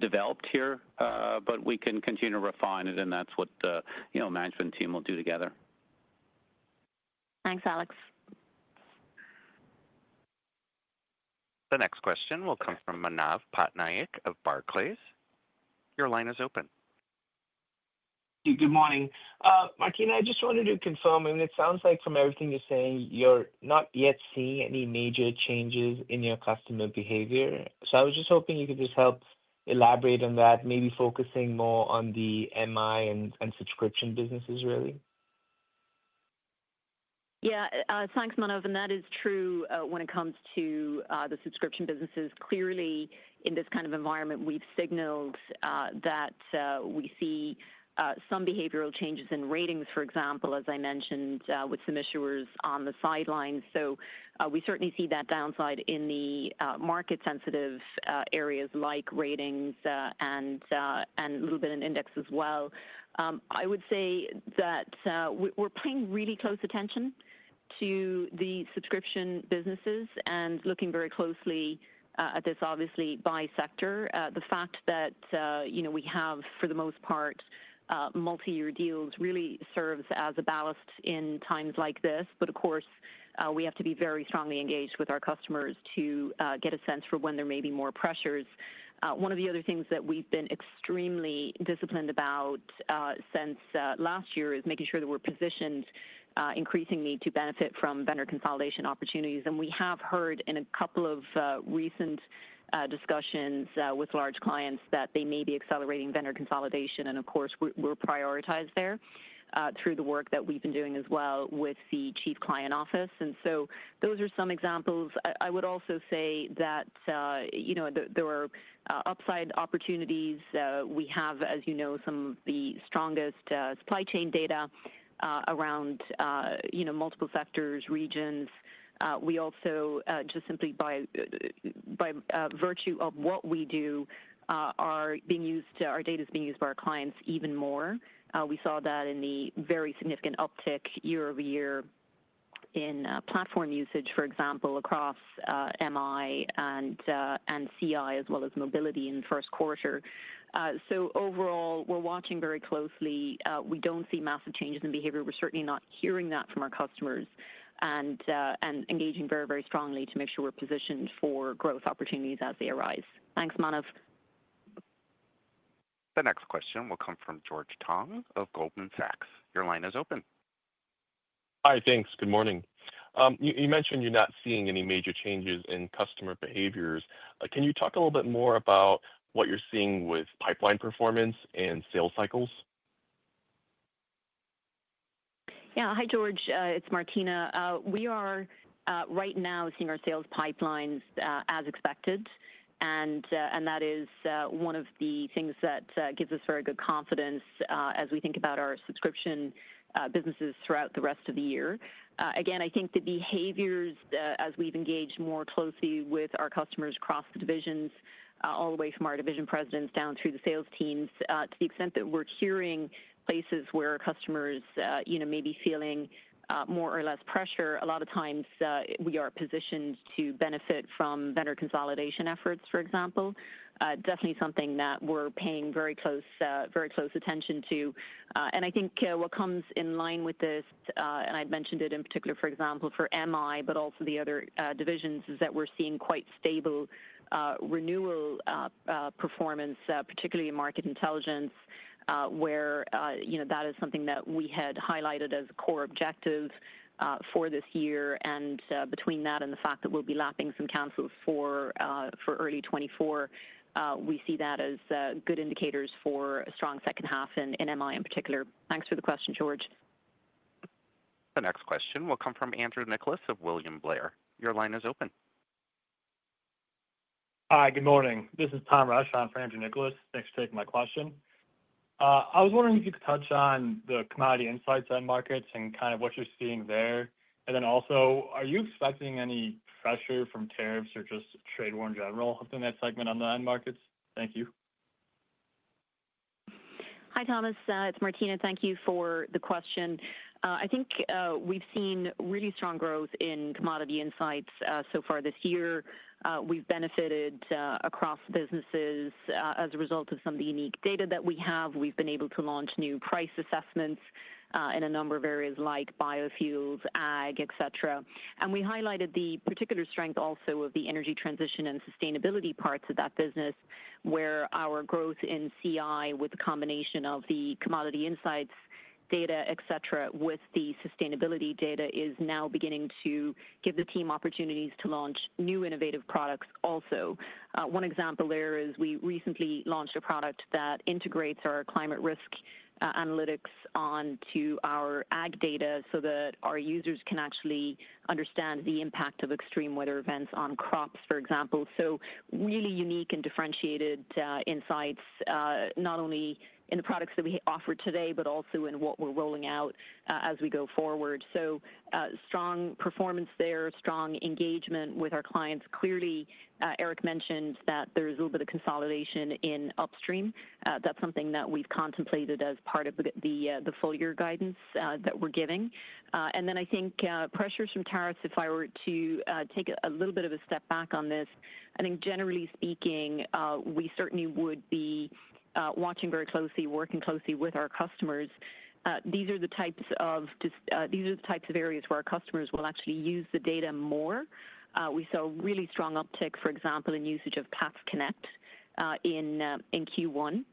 developed here, but we can continue to refine it, and that is what the management team will do together. Thanks, Alex. The next question will come from Manav Patnaik of Barclays. Your line is open. Good morning. Martina, I just wanted to confirm, I mean, it sounds like from everything you are saying, you are not yet seeing any major changes in your customer behavior. I was just hoping you could just help elaborate on that, maybe focusing more on the MI and subscription businesses, really. Yeah. Thanks, Manav. That is true when it comes to the subscription businesses. Clearly, in this kind of environment, we've signaled that we see some behavioral changes in Ratings, for example, as I mentioned, with some issuers on the sidelines. We certainly see that downside in the market-sensitive areas like Ratings and a little bit in Index as well. I would say that we're paying really close attention to the subscription businesses and looking very closely at this, obviously, by sector. The fact that we have, for the most part, multi-year deals really serves as a ballast in times like this. Of course, we have to be very strongly engaged with our customers to get a sense for when there may be more pressures. One of the other things that we've been extremely disciplined about since last year is making sure that we're positioned increasingly to benefit from vendor consolidation opportunities. We have heard in a couple of recent discussions with large clients that they may be accelerating vendor consolidation. Of course, we're prioritized there through the work that we've been doing as well with the chief client office. Those are some examples. I would also say that there are upside opportunities. We have, as you know, some of the strongest supply chain data around multiple sectors, regions. We also, just simply by virtue of what we do, are being used; our data is being used by our clients even more. We saw that in the very significant uptick year-over-year in platform usage, for example, across MI and CI as well as Mobility in the first quarter. Overall, we're watching very closely. We don't see massive changes in behavior. We're certainly not hearing that from our customers and engaging very, very strongly to make sure we're positioned for growth opportunities as they arise. Thanks, Manav. The next question will come from George Tong of Goldman Sachs. Your line is open. Hi, thanks. Good morning. You mentioned you're not seeing any major changes in customer behaviors. Can you talk a little bit more about what you're seeing with pipeline performance and sales cycles? Yeah. Hi, George. It's Martina. We are right now seeing our sales pipelines as expected, and that is one of the things that gives us very good confidence as we think about our subscription businesses throughout the rest of the year. Again, I think the behaviors, as we've engaged more closely with our customers across the divisions, all the way from our division presidents down through the sales teams, to the extent that we're hearing places where our customers may be feeling more or less pressure, a lot of times we are positioned to benefit from vendor consolidation efforts, for example. Definitely something that we're paying very close attention to. I think what comes in line with this, and I've mentioned it in particular, for example, for MI, but also the other divisions, is that we're seeing quite stable renewal performance, particularly in Market Intelligence, where that is something that we had highlighted as a core objective for this year. Between that and the fact that we'll be lapping some councils for early 2024, we see that as good indicators for a strong second half in MI in particular. Thanks for the question, George. The next question will come from Andrew Nicholas of William Blair. Your line is open. Hi, good morning. This is Tom Ross on for Andrew Nicholas. Thanks for taking my question. I was wondering if you could touch on the commodity insights on markets and kind of what you're seeing there. Also, are you expecting any pressure from tariffs or just trade war in general within that segment on the end markets? Thank you. Hi, Thomas. It's Martina. Thank you for the question. I think we've seen really strong growth in commodity insights so far this year. We've benefited across businesses as a result of some of the unique data that we have. We've been able to launch new price assessments in a number of areas like biofuels, ag, etc. We highlighted the particular strength also of the energy transition and sustainability parts of that business, where our growth in CI with the combination of the Commodity Insights data, etc., with the sustainability data is now beginning to give the team opportunities to launch new innovative products also. One example there is we recently launched a product that integrates our climate risk analytics onto our ag data so that our users can actually understand the impact of extreme weather events on crops, for example. Really unique and differentiated insights, not only in the products that we offer today, but also in what we are rolling out as we go forward. Strong performance there, strong engagement with our clients. Clearly, Eric mentioned that there is a little bit of consolidation in upstream. That is something that we have contemplated as part of the full year guidance that we are giving. I think pressures from tariffs, if I were to take a little bit of a step back on this, I think generally speaking, we certainly would be watching very closely, working closely with our customers. These are the types of areas where our customers will actually use the data more. We saw a really strong uptick, for example, in usage of Platts Connect in Q1.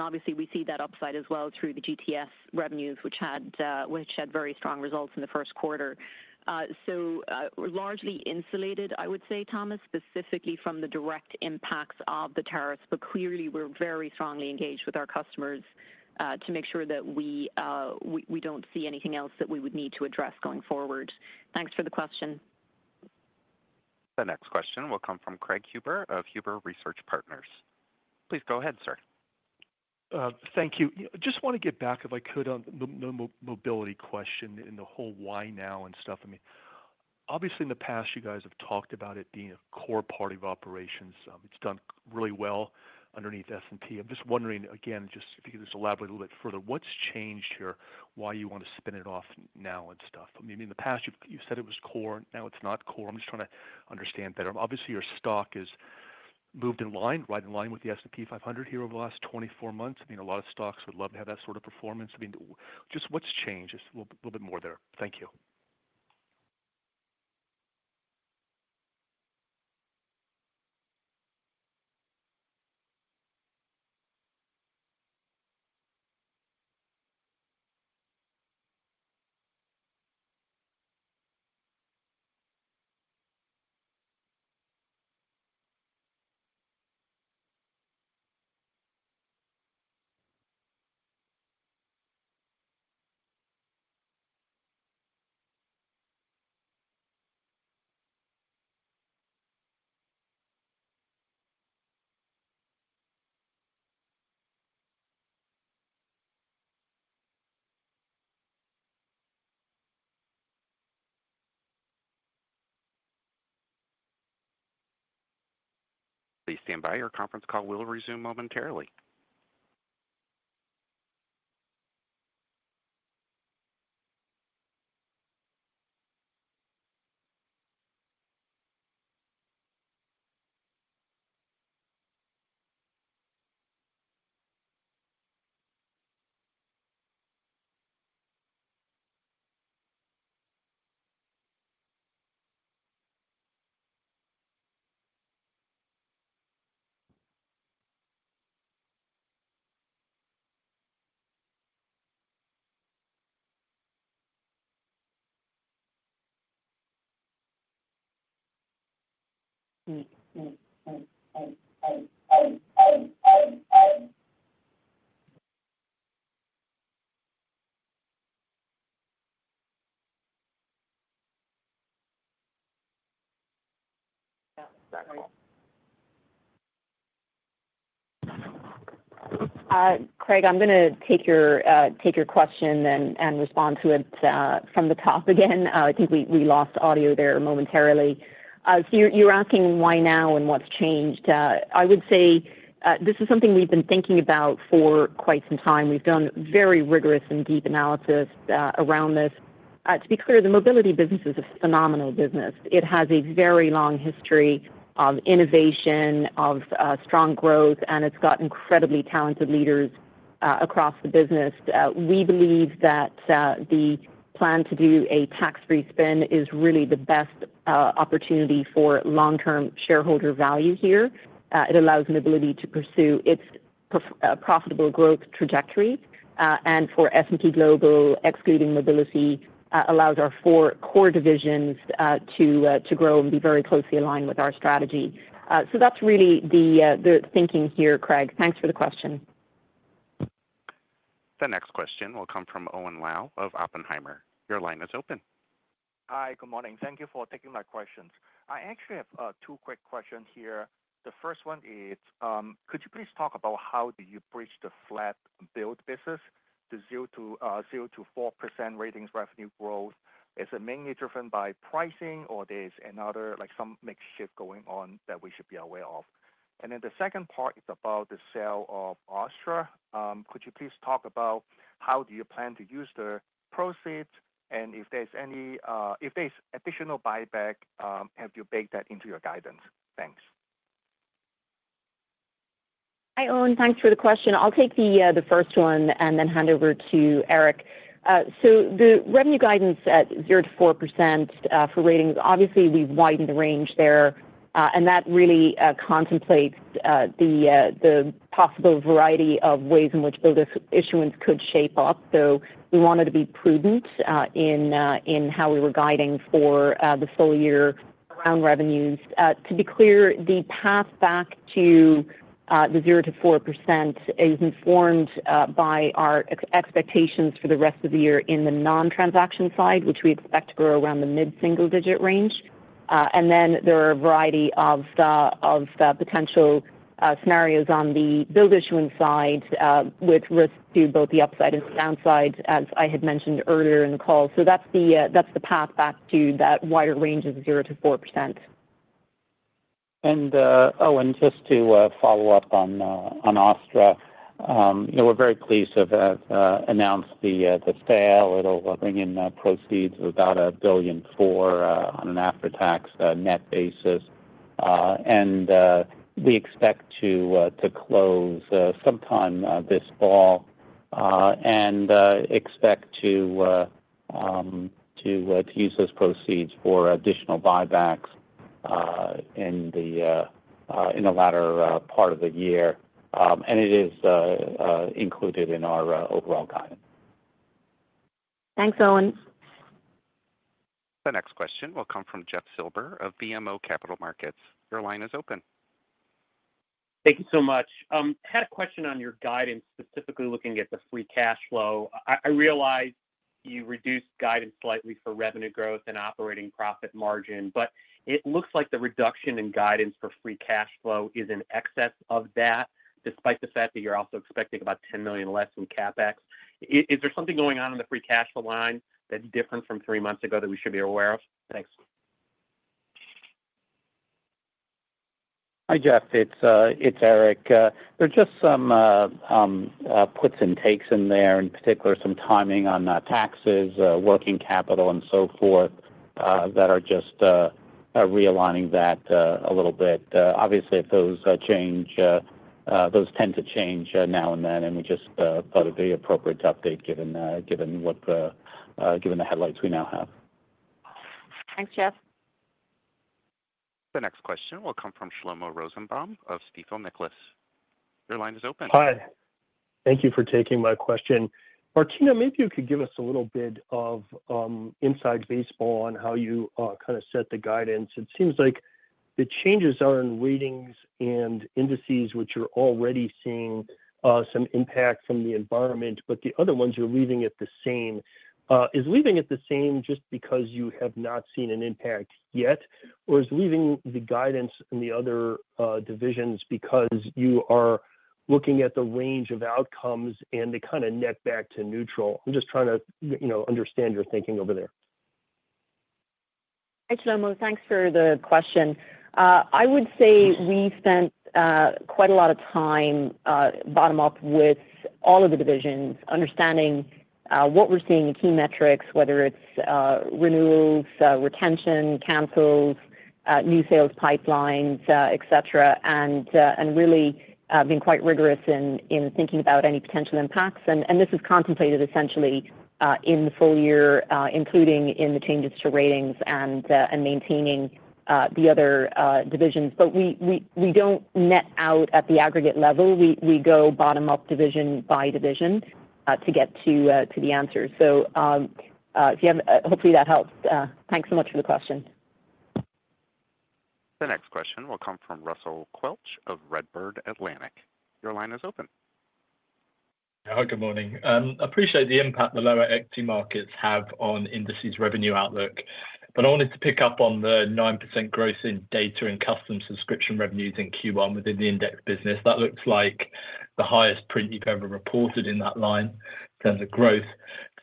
Obviously, we see that upside as well through the GTS revenues, which had very strong results in the first quarter. Largely insulated, I would say, Thomas, specifically from the direct impacts of the tariffs, but clearly we are very strongly engaged with our customers to make sure that we do not see anything else that we would need to address going forward. Thanks for the question. The next question will come from Craig Huber of Huber Research Partners. Please go ahead, sir. Thank you. Just want to get back, if I could, on the mobility question and the whole why now and stuff. I mean, obviously in the past, you guys have talked about it being a core part of operations. It's done really well underneath S&P. I'm just wondering again, just if you could just elaborate a little bit further, what's changed here, why you want to spin it off now and stuff. I mean, in the past, you said it was core. Now it's not core. I'm just trying to understand better. Obviously, your stock has moved in line, right in line with the S&P 500 here over the last 24 months. I mean, a lot of stocks would love to have that sort of performance. I mean, just what's changed? Just a little bit more there. Thank you. Please stand by. Your conference call will resume momentarily. Craig, I'm going to take your question and respond to it from the top again. I think we lost audio there momentarily. You're asking why now and what's changed. I would say this is something we've been thinking about for quite some time. We've done very rigorous and deep analysis around this. To be clear, the Mobility business is a phenomenal business. It has a very long history of innovation, of strong growth, and it's got incredibly talented leaders across the business. We believe that the plan to do a tax-free spin is really the best opportunity for long-term shareholder value here. It allows Mobility to pursue its profitable growth trajectory. For S&P Global, excluding Mobility, it allows our four core divisions to grow and be very closely aligned with our strategy. That's really the thinking here, Craig. Thanks for the question. The next question will come from Owen Lau of Oppenheimer. Your line is open. Hi, good morning. Thank you for taking my questions. I actually have two quick questions here. The first one is, could you please talk about how do you bridge the flat build business, the 0%-4% ratings revenue growth? Is it mainly driven by pricing, or there's another mixed shift going on that we should be aware of? The second part is about the sale of Ostra. Could you please talk about how do you plan to use the proceeds? If there's additional buyback, have you baked that into your guidance? Thanks. Hi, Owen. Thanks for the question. I'll take the first one and then hand over to Eric. The revenue guidance at 0-4% for ratings, obviously, we've widened the range there. That really contemplates the possible variety of ways in which build-issuance could shape up. We wanted to be prudent in how we were guiding for the full year around revenues. To be clear, the path back to the 0%-4% is informed by our expectations for the rest of the year in the non-transaction side, which we expect to grow around the mid-single-digit range. There are a variety of potential scenarios on the build-issuance side with risk to both the upside and downside, as I had mentioned earlier in the call. That is the path back to that wider range of 0%-4%. Owen, just to follow up on Ostra, we are very pleased to have announced the sale. It will bring in proceeds of about $1.4 billion on an after-tax net basis. We expect to close sometime this fall and expect to use those proceeds for additional buybacks in the latter part of the year. It is included in our overall guidance. Thanks, Owen. The next question will come from Jeff Silber of BMO Capital Markets. Your line is open. Thank you so much. Had a question on your guidance, specifically looking at the free cash flow. I realize you reduced guidance slightly for revenue growth and operating profit margin, but it looks like the reduction in guidance for free cash flow is in excess of that, despite the fact that you're also expecting about $10 million less in CapEx. Is there something going on in the free cash flow line that's different from three months ago that we should be aware of? Thanks. Hi, Jeff. It's Eric. There's just some puts and takes in there, in particular some timing on taxes, working capital, and so forth that are just realigning that a little bit. Obviously, if those change, those tend to change now and then, and we just thought it'd be appropriate to update given the headlights we now have. Thanks, Jeff. The next question will come from Shlomo Rosenbaum of Stifel Nicolaus. Your line is open. Hi. Thank you for taking my question. Martina, maybe you could give us a little bit of inside baseball on how you kind of set the guidance. It seems like the changes are in Ratings and Indices, which you're already seeing some impact from the environment, but the other ones you're leaving at the same. Is leaving at the same just because you have not seen an impact yet, or is leaving the guidance in the other divisions because you are looking at the range of outcomes and they kind of net back to neutral? I'm just trying to understand your thinking over there. Thanks, Shlomo. Thanks for the question. I would say we spent quite a lot of time bottom-up with all of the divisions, understanding what we're seeing in key metrics, whether it's renewals, retention, cancels, new sales pipelines, etc., and really being quite rigorous in thinking about any potential impacts. This is contemplated essentially in the full year, including in the changes to Ratings and maintaining the other divisions. We do not net out at the aggregate level. We go bottom-up division by division to get to the answers. Hopefully that helps. Thanks so much for the question. The next question will come from Russell Quelch of Redburn Atlantic. Your line is open. Hi, good morning. I appreciate the impact the lower equity markets have on indices' revenue outlook, but I wanted to pick up on the 9% growth in data and customs subscription revenues in Q1 within the index business. That looks like the highest print you've ever reported in that line in terms of growth.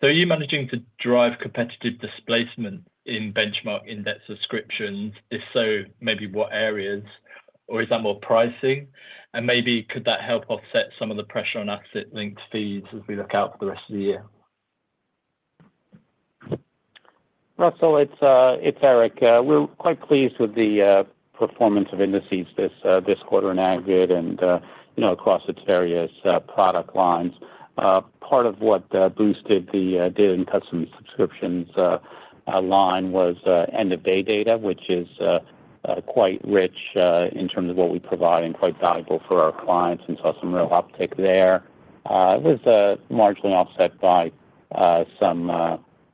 Are you managing to drive competitive displacement in benchmark index subscriptions? If so, maybe what areas, or is that more pricing? Could that help offset some of the pressure on asset-linked fees as we look out for the rest of the year? Russell, it's Eric. We're quite pleased with the performance of indices this quarter and aggregate and across its various product lines. Part of what boosted the data and customs subscriptions line was end-of-day data, which is quite rich in terms of what we provide and quite valuable for our clients, and saw some real uptick there. It was marginally offset by some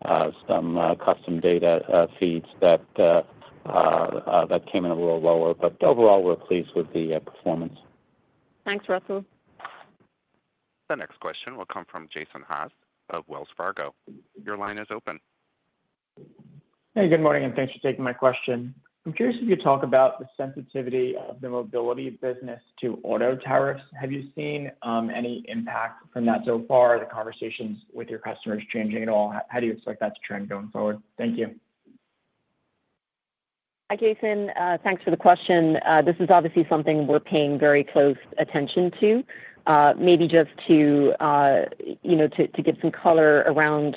custom data feeds that came in a little lower. Overall, we're pleased with the performance. Thanks, Russell. The next question will come from Jason Haas of Wells Fargo. Your line is open. Hey, good morning, and thanks for taking my question. I'm curious if you talk about the sensitivity of the mobility business to auto tariffs. Have you seen any impact from that so far? Are the conversations with your customers changing at all? How do you expect that to trend going forward? Thank you. Hi, Jason. Thanks for the question. This is obviously something we're paying very close attention to. Maybe just to give some color around,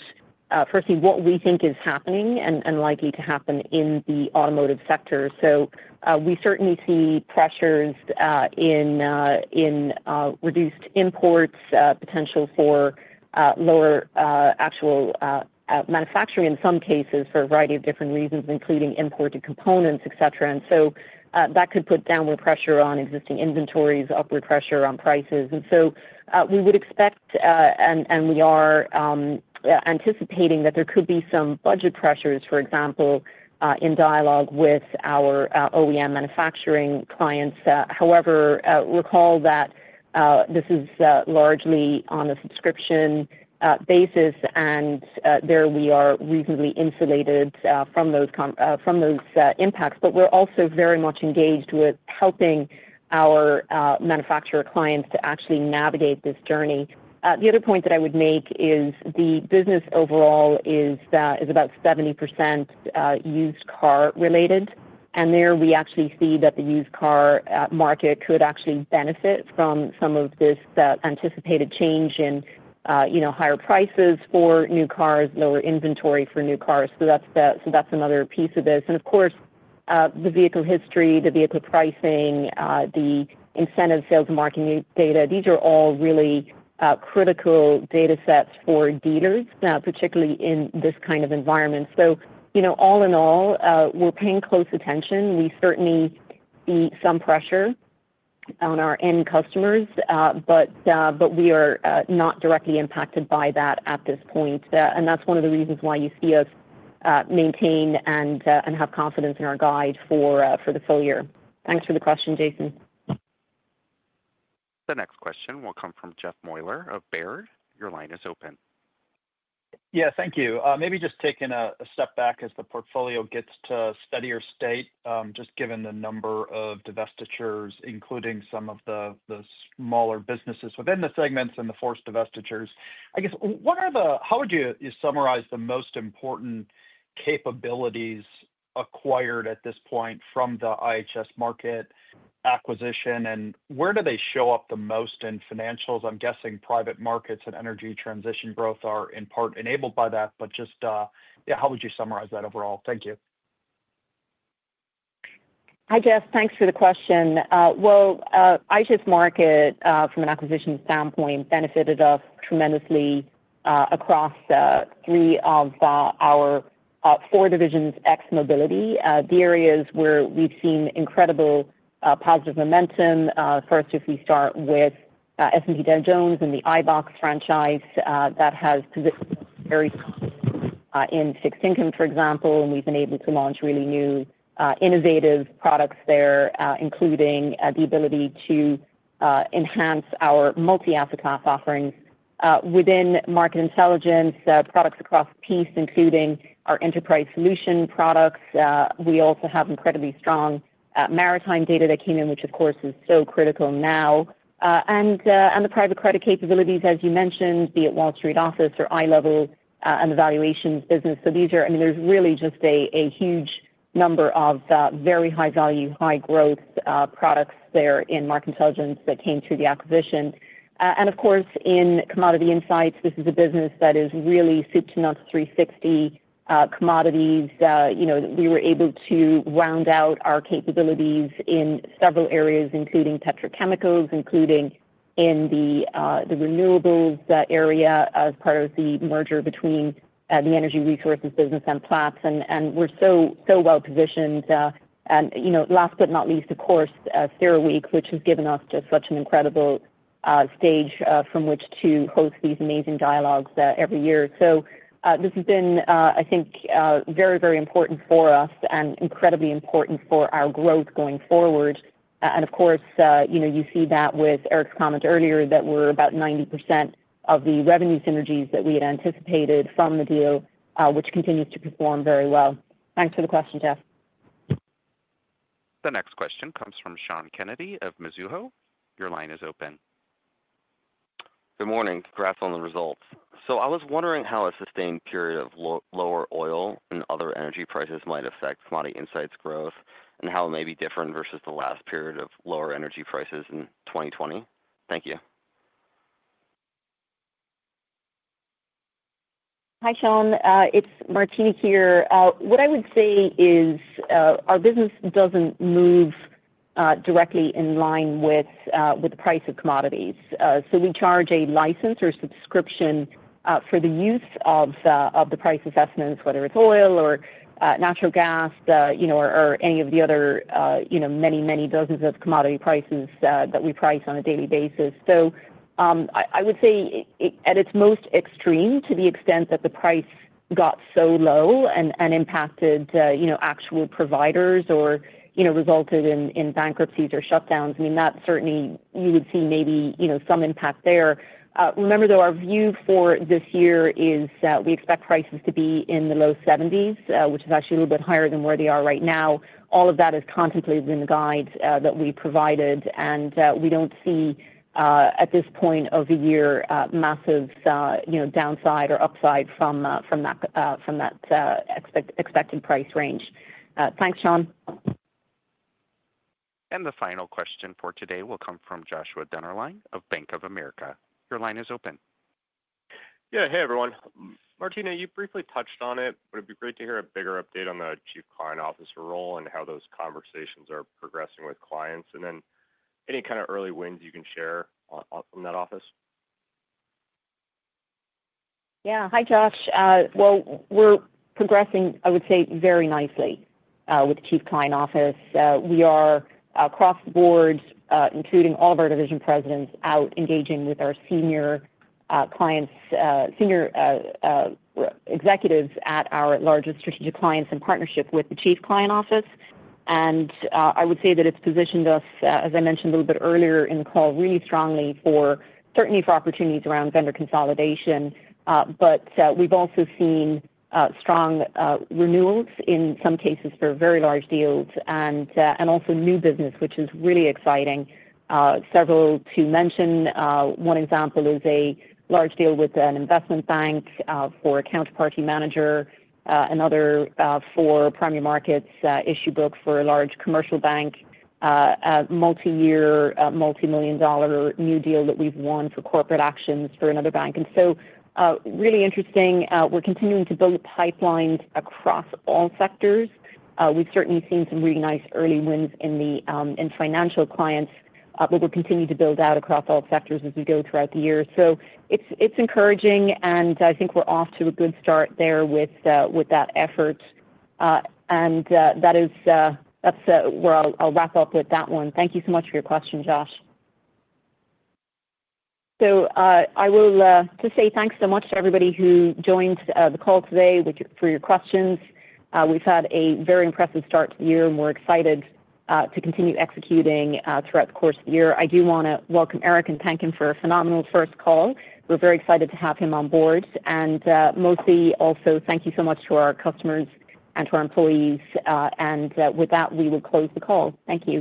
firstly, what we think is happening and likely to happen in the automotive sector. We certainly see pressures in reduced imports, potential for lower actual manufacturing in some cases for a variety of different reasons, including imported components, etc. That could put downward pressure on existing inventories, upward pressure on prices. We would expect, and we are anticipating that there could be some budget pressures, for example, in dialogue with our OEM manufacturing clients. However, recall that this is largely on a subscription basis, and there we are reasonably insulated from those impacts. We are also very much engaged with helping our manufacturer clients to actually navigate this journey. The other point that I would make is the business overall is about 70% used car related. There we actually see that the used car market could actually benefit from some of this anticipated change in higher prices for new cars, lower inventory for new cars. That is another piece of this. Of course, the vehicle history, the vehicle pricing, the incentive sales and marketing data, these are all really critical data sets for dealers, particularly in this kind of environment. All in all, we are paying close attention. We certainly see some pressure on our end customers, but we are not directly impacted by that at this point. That is one of the reasons why you see us maintain and have confidence in our guide for the full year. Thanks for the question, Jason. The next question will come from Jeff Meuler of Baird. Your line is open. Yeah, thank you. Maybe just taking a step back as the portfolio gets to a steadier state, just given the number of divestitures, including some of the smaller businesses within the segments and the forced divestitures. I guess, how would you summarize the most important capabilities acquired at this point from the IHS Markit acquisition, and where do they show up the most in financials? I'm guessing private markets and energy transition growth are in part enabled by that, but just how would you summarize that overall? Thank you. Hi, Jeff. Thanks for the question. IHS Markit, from an acquisition standpoint, benefited us tremendously across three of our four divisions, ex-Mobility. The areas where we've seen incredible positive momentum, first, if we start with S&P Dow Jones and the iBoxx franchise that has positioned very strongly in fixed income, for example. We've been able to launch really new innovative products there, including the ability to enhance our multi-asset class offerings within Market Intelligence products across piece, including our enterprise solution products. We also have incredibly strong maritime data that came in, which, of course, is so critical now. The private credit capabilities, as you mentioned, be it Wall Street Office or iLevel and the valuations business. These are, I mean, there's really just a huge number of very high-value, high-growth products there in Market Intelligence that came through the acquisition. In Commodity Insights, this is a business that is really suited to non-360 commodities. We were able to round out our capabilities in several areas, including petrochemicals, including in the renewables area as part of the merger between the energy resources business and Platts. We're so well positioned. Last but not least, of course, CERAWeek, which has given us just such an incredible stage from which to host these amazing dialogues every year. This has been, I think, very, very important for us and incredibly important for our growth going forward. You see that with Eric's comment earlier that we're about 90% of the revenue synergies that we had anticipated from the deal, which continues to perform very well. Thanks for the question, Jeff. The next question comes from Sean Kennedy of Mizuho. Your line is open. Good morning. Congrats on the results. I was wondering how a sustained period of lower oil and other energy prices might affect Commodity Insights growth and how it may be different versus the last period of lower energy prices in 2020. Thank you. Hi, Sean. It's Martina here. What I would say is our business does not move directly in line with the price of commodities. We charge a license or subscription for the use of the price assessments, whether it is oil or natural gas or any of the other many, many dozens of commodity prices that we price on a daily basis. I would say at its most extreme, to the extent that the price got so low and impacted actual providers or resulted in bankruptcies or shutdowns, I mean, that certainly you would see maybe some impact there. Remember, though, our view for this year is we expect prices to be in the low-$70s, which is actually a little bit higher than where they are right now. All of that is contemplated in the guides that we provided. We do not see, at this point of the year, massive downside or upside from that expected price range. Thanks, Sean. The final question for today will come from Joshua Dennerlein of Bank of America. Your line is open. Yeah. Hey, everyone. Martina, you briefly touched on it, but it would be great to hear a bigger update on the chief client office role and how those conversations are progressing with clients, and then any kind of early wins you can share from that office. Yeah. Hi, Josh. We are progressing, I would say, very nicely with the chief client office. We are across the board, including all of our division presidents, out engaging with our senior clients, senior executives at our largest strategic clients in partnership with the chief client office. I would say that it's positioned us, as I mentioned a little bit earlier in the call, really strongly, certainly for opportunities around vendor consolidation. We have also seen strong renewals in some cases for very large deals and also new business, which is really exciting. Several to mention. One example is a large deal with an investment bank for a counterparty manager, another for primary markets issue book for a large commercial bank, a multi-year, multi-million dollar new deal that we've won for corporate actions for another bank. It is really interesting. We're continuing to build pipelines across all sectors. We've certainly seen some really nice early wins in financial clients, but we'll continue to build out across all sectors as we go throughout the year. It is encouraging, and I think we're off to a good start there with that effort. That is where I'll wrap up with that one. Thank you so much for your question, Josh. I will just say thanks so much to everybody who joined the call today for your questions. We have had a very impressive start to the year, and we are excited to continue executing throughout the course of the year. I do want to welcome Eric and thank him for a phenomenal first call. We are very excited to have him on board. Mostly also, thank you so much to our customers and to our employees. With that, we will close the call. Thank you.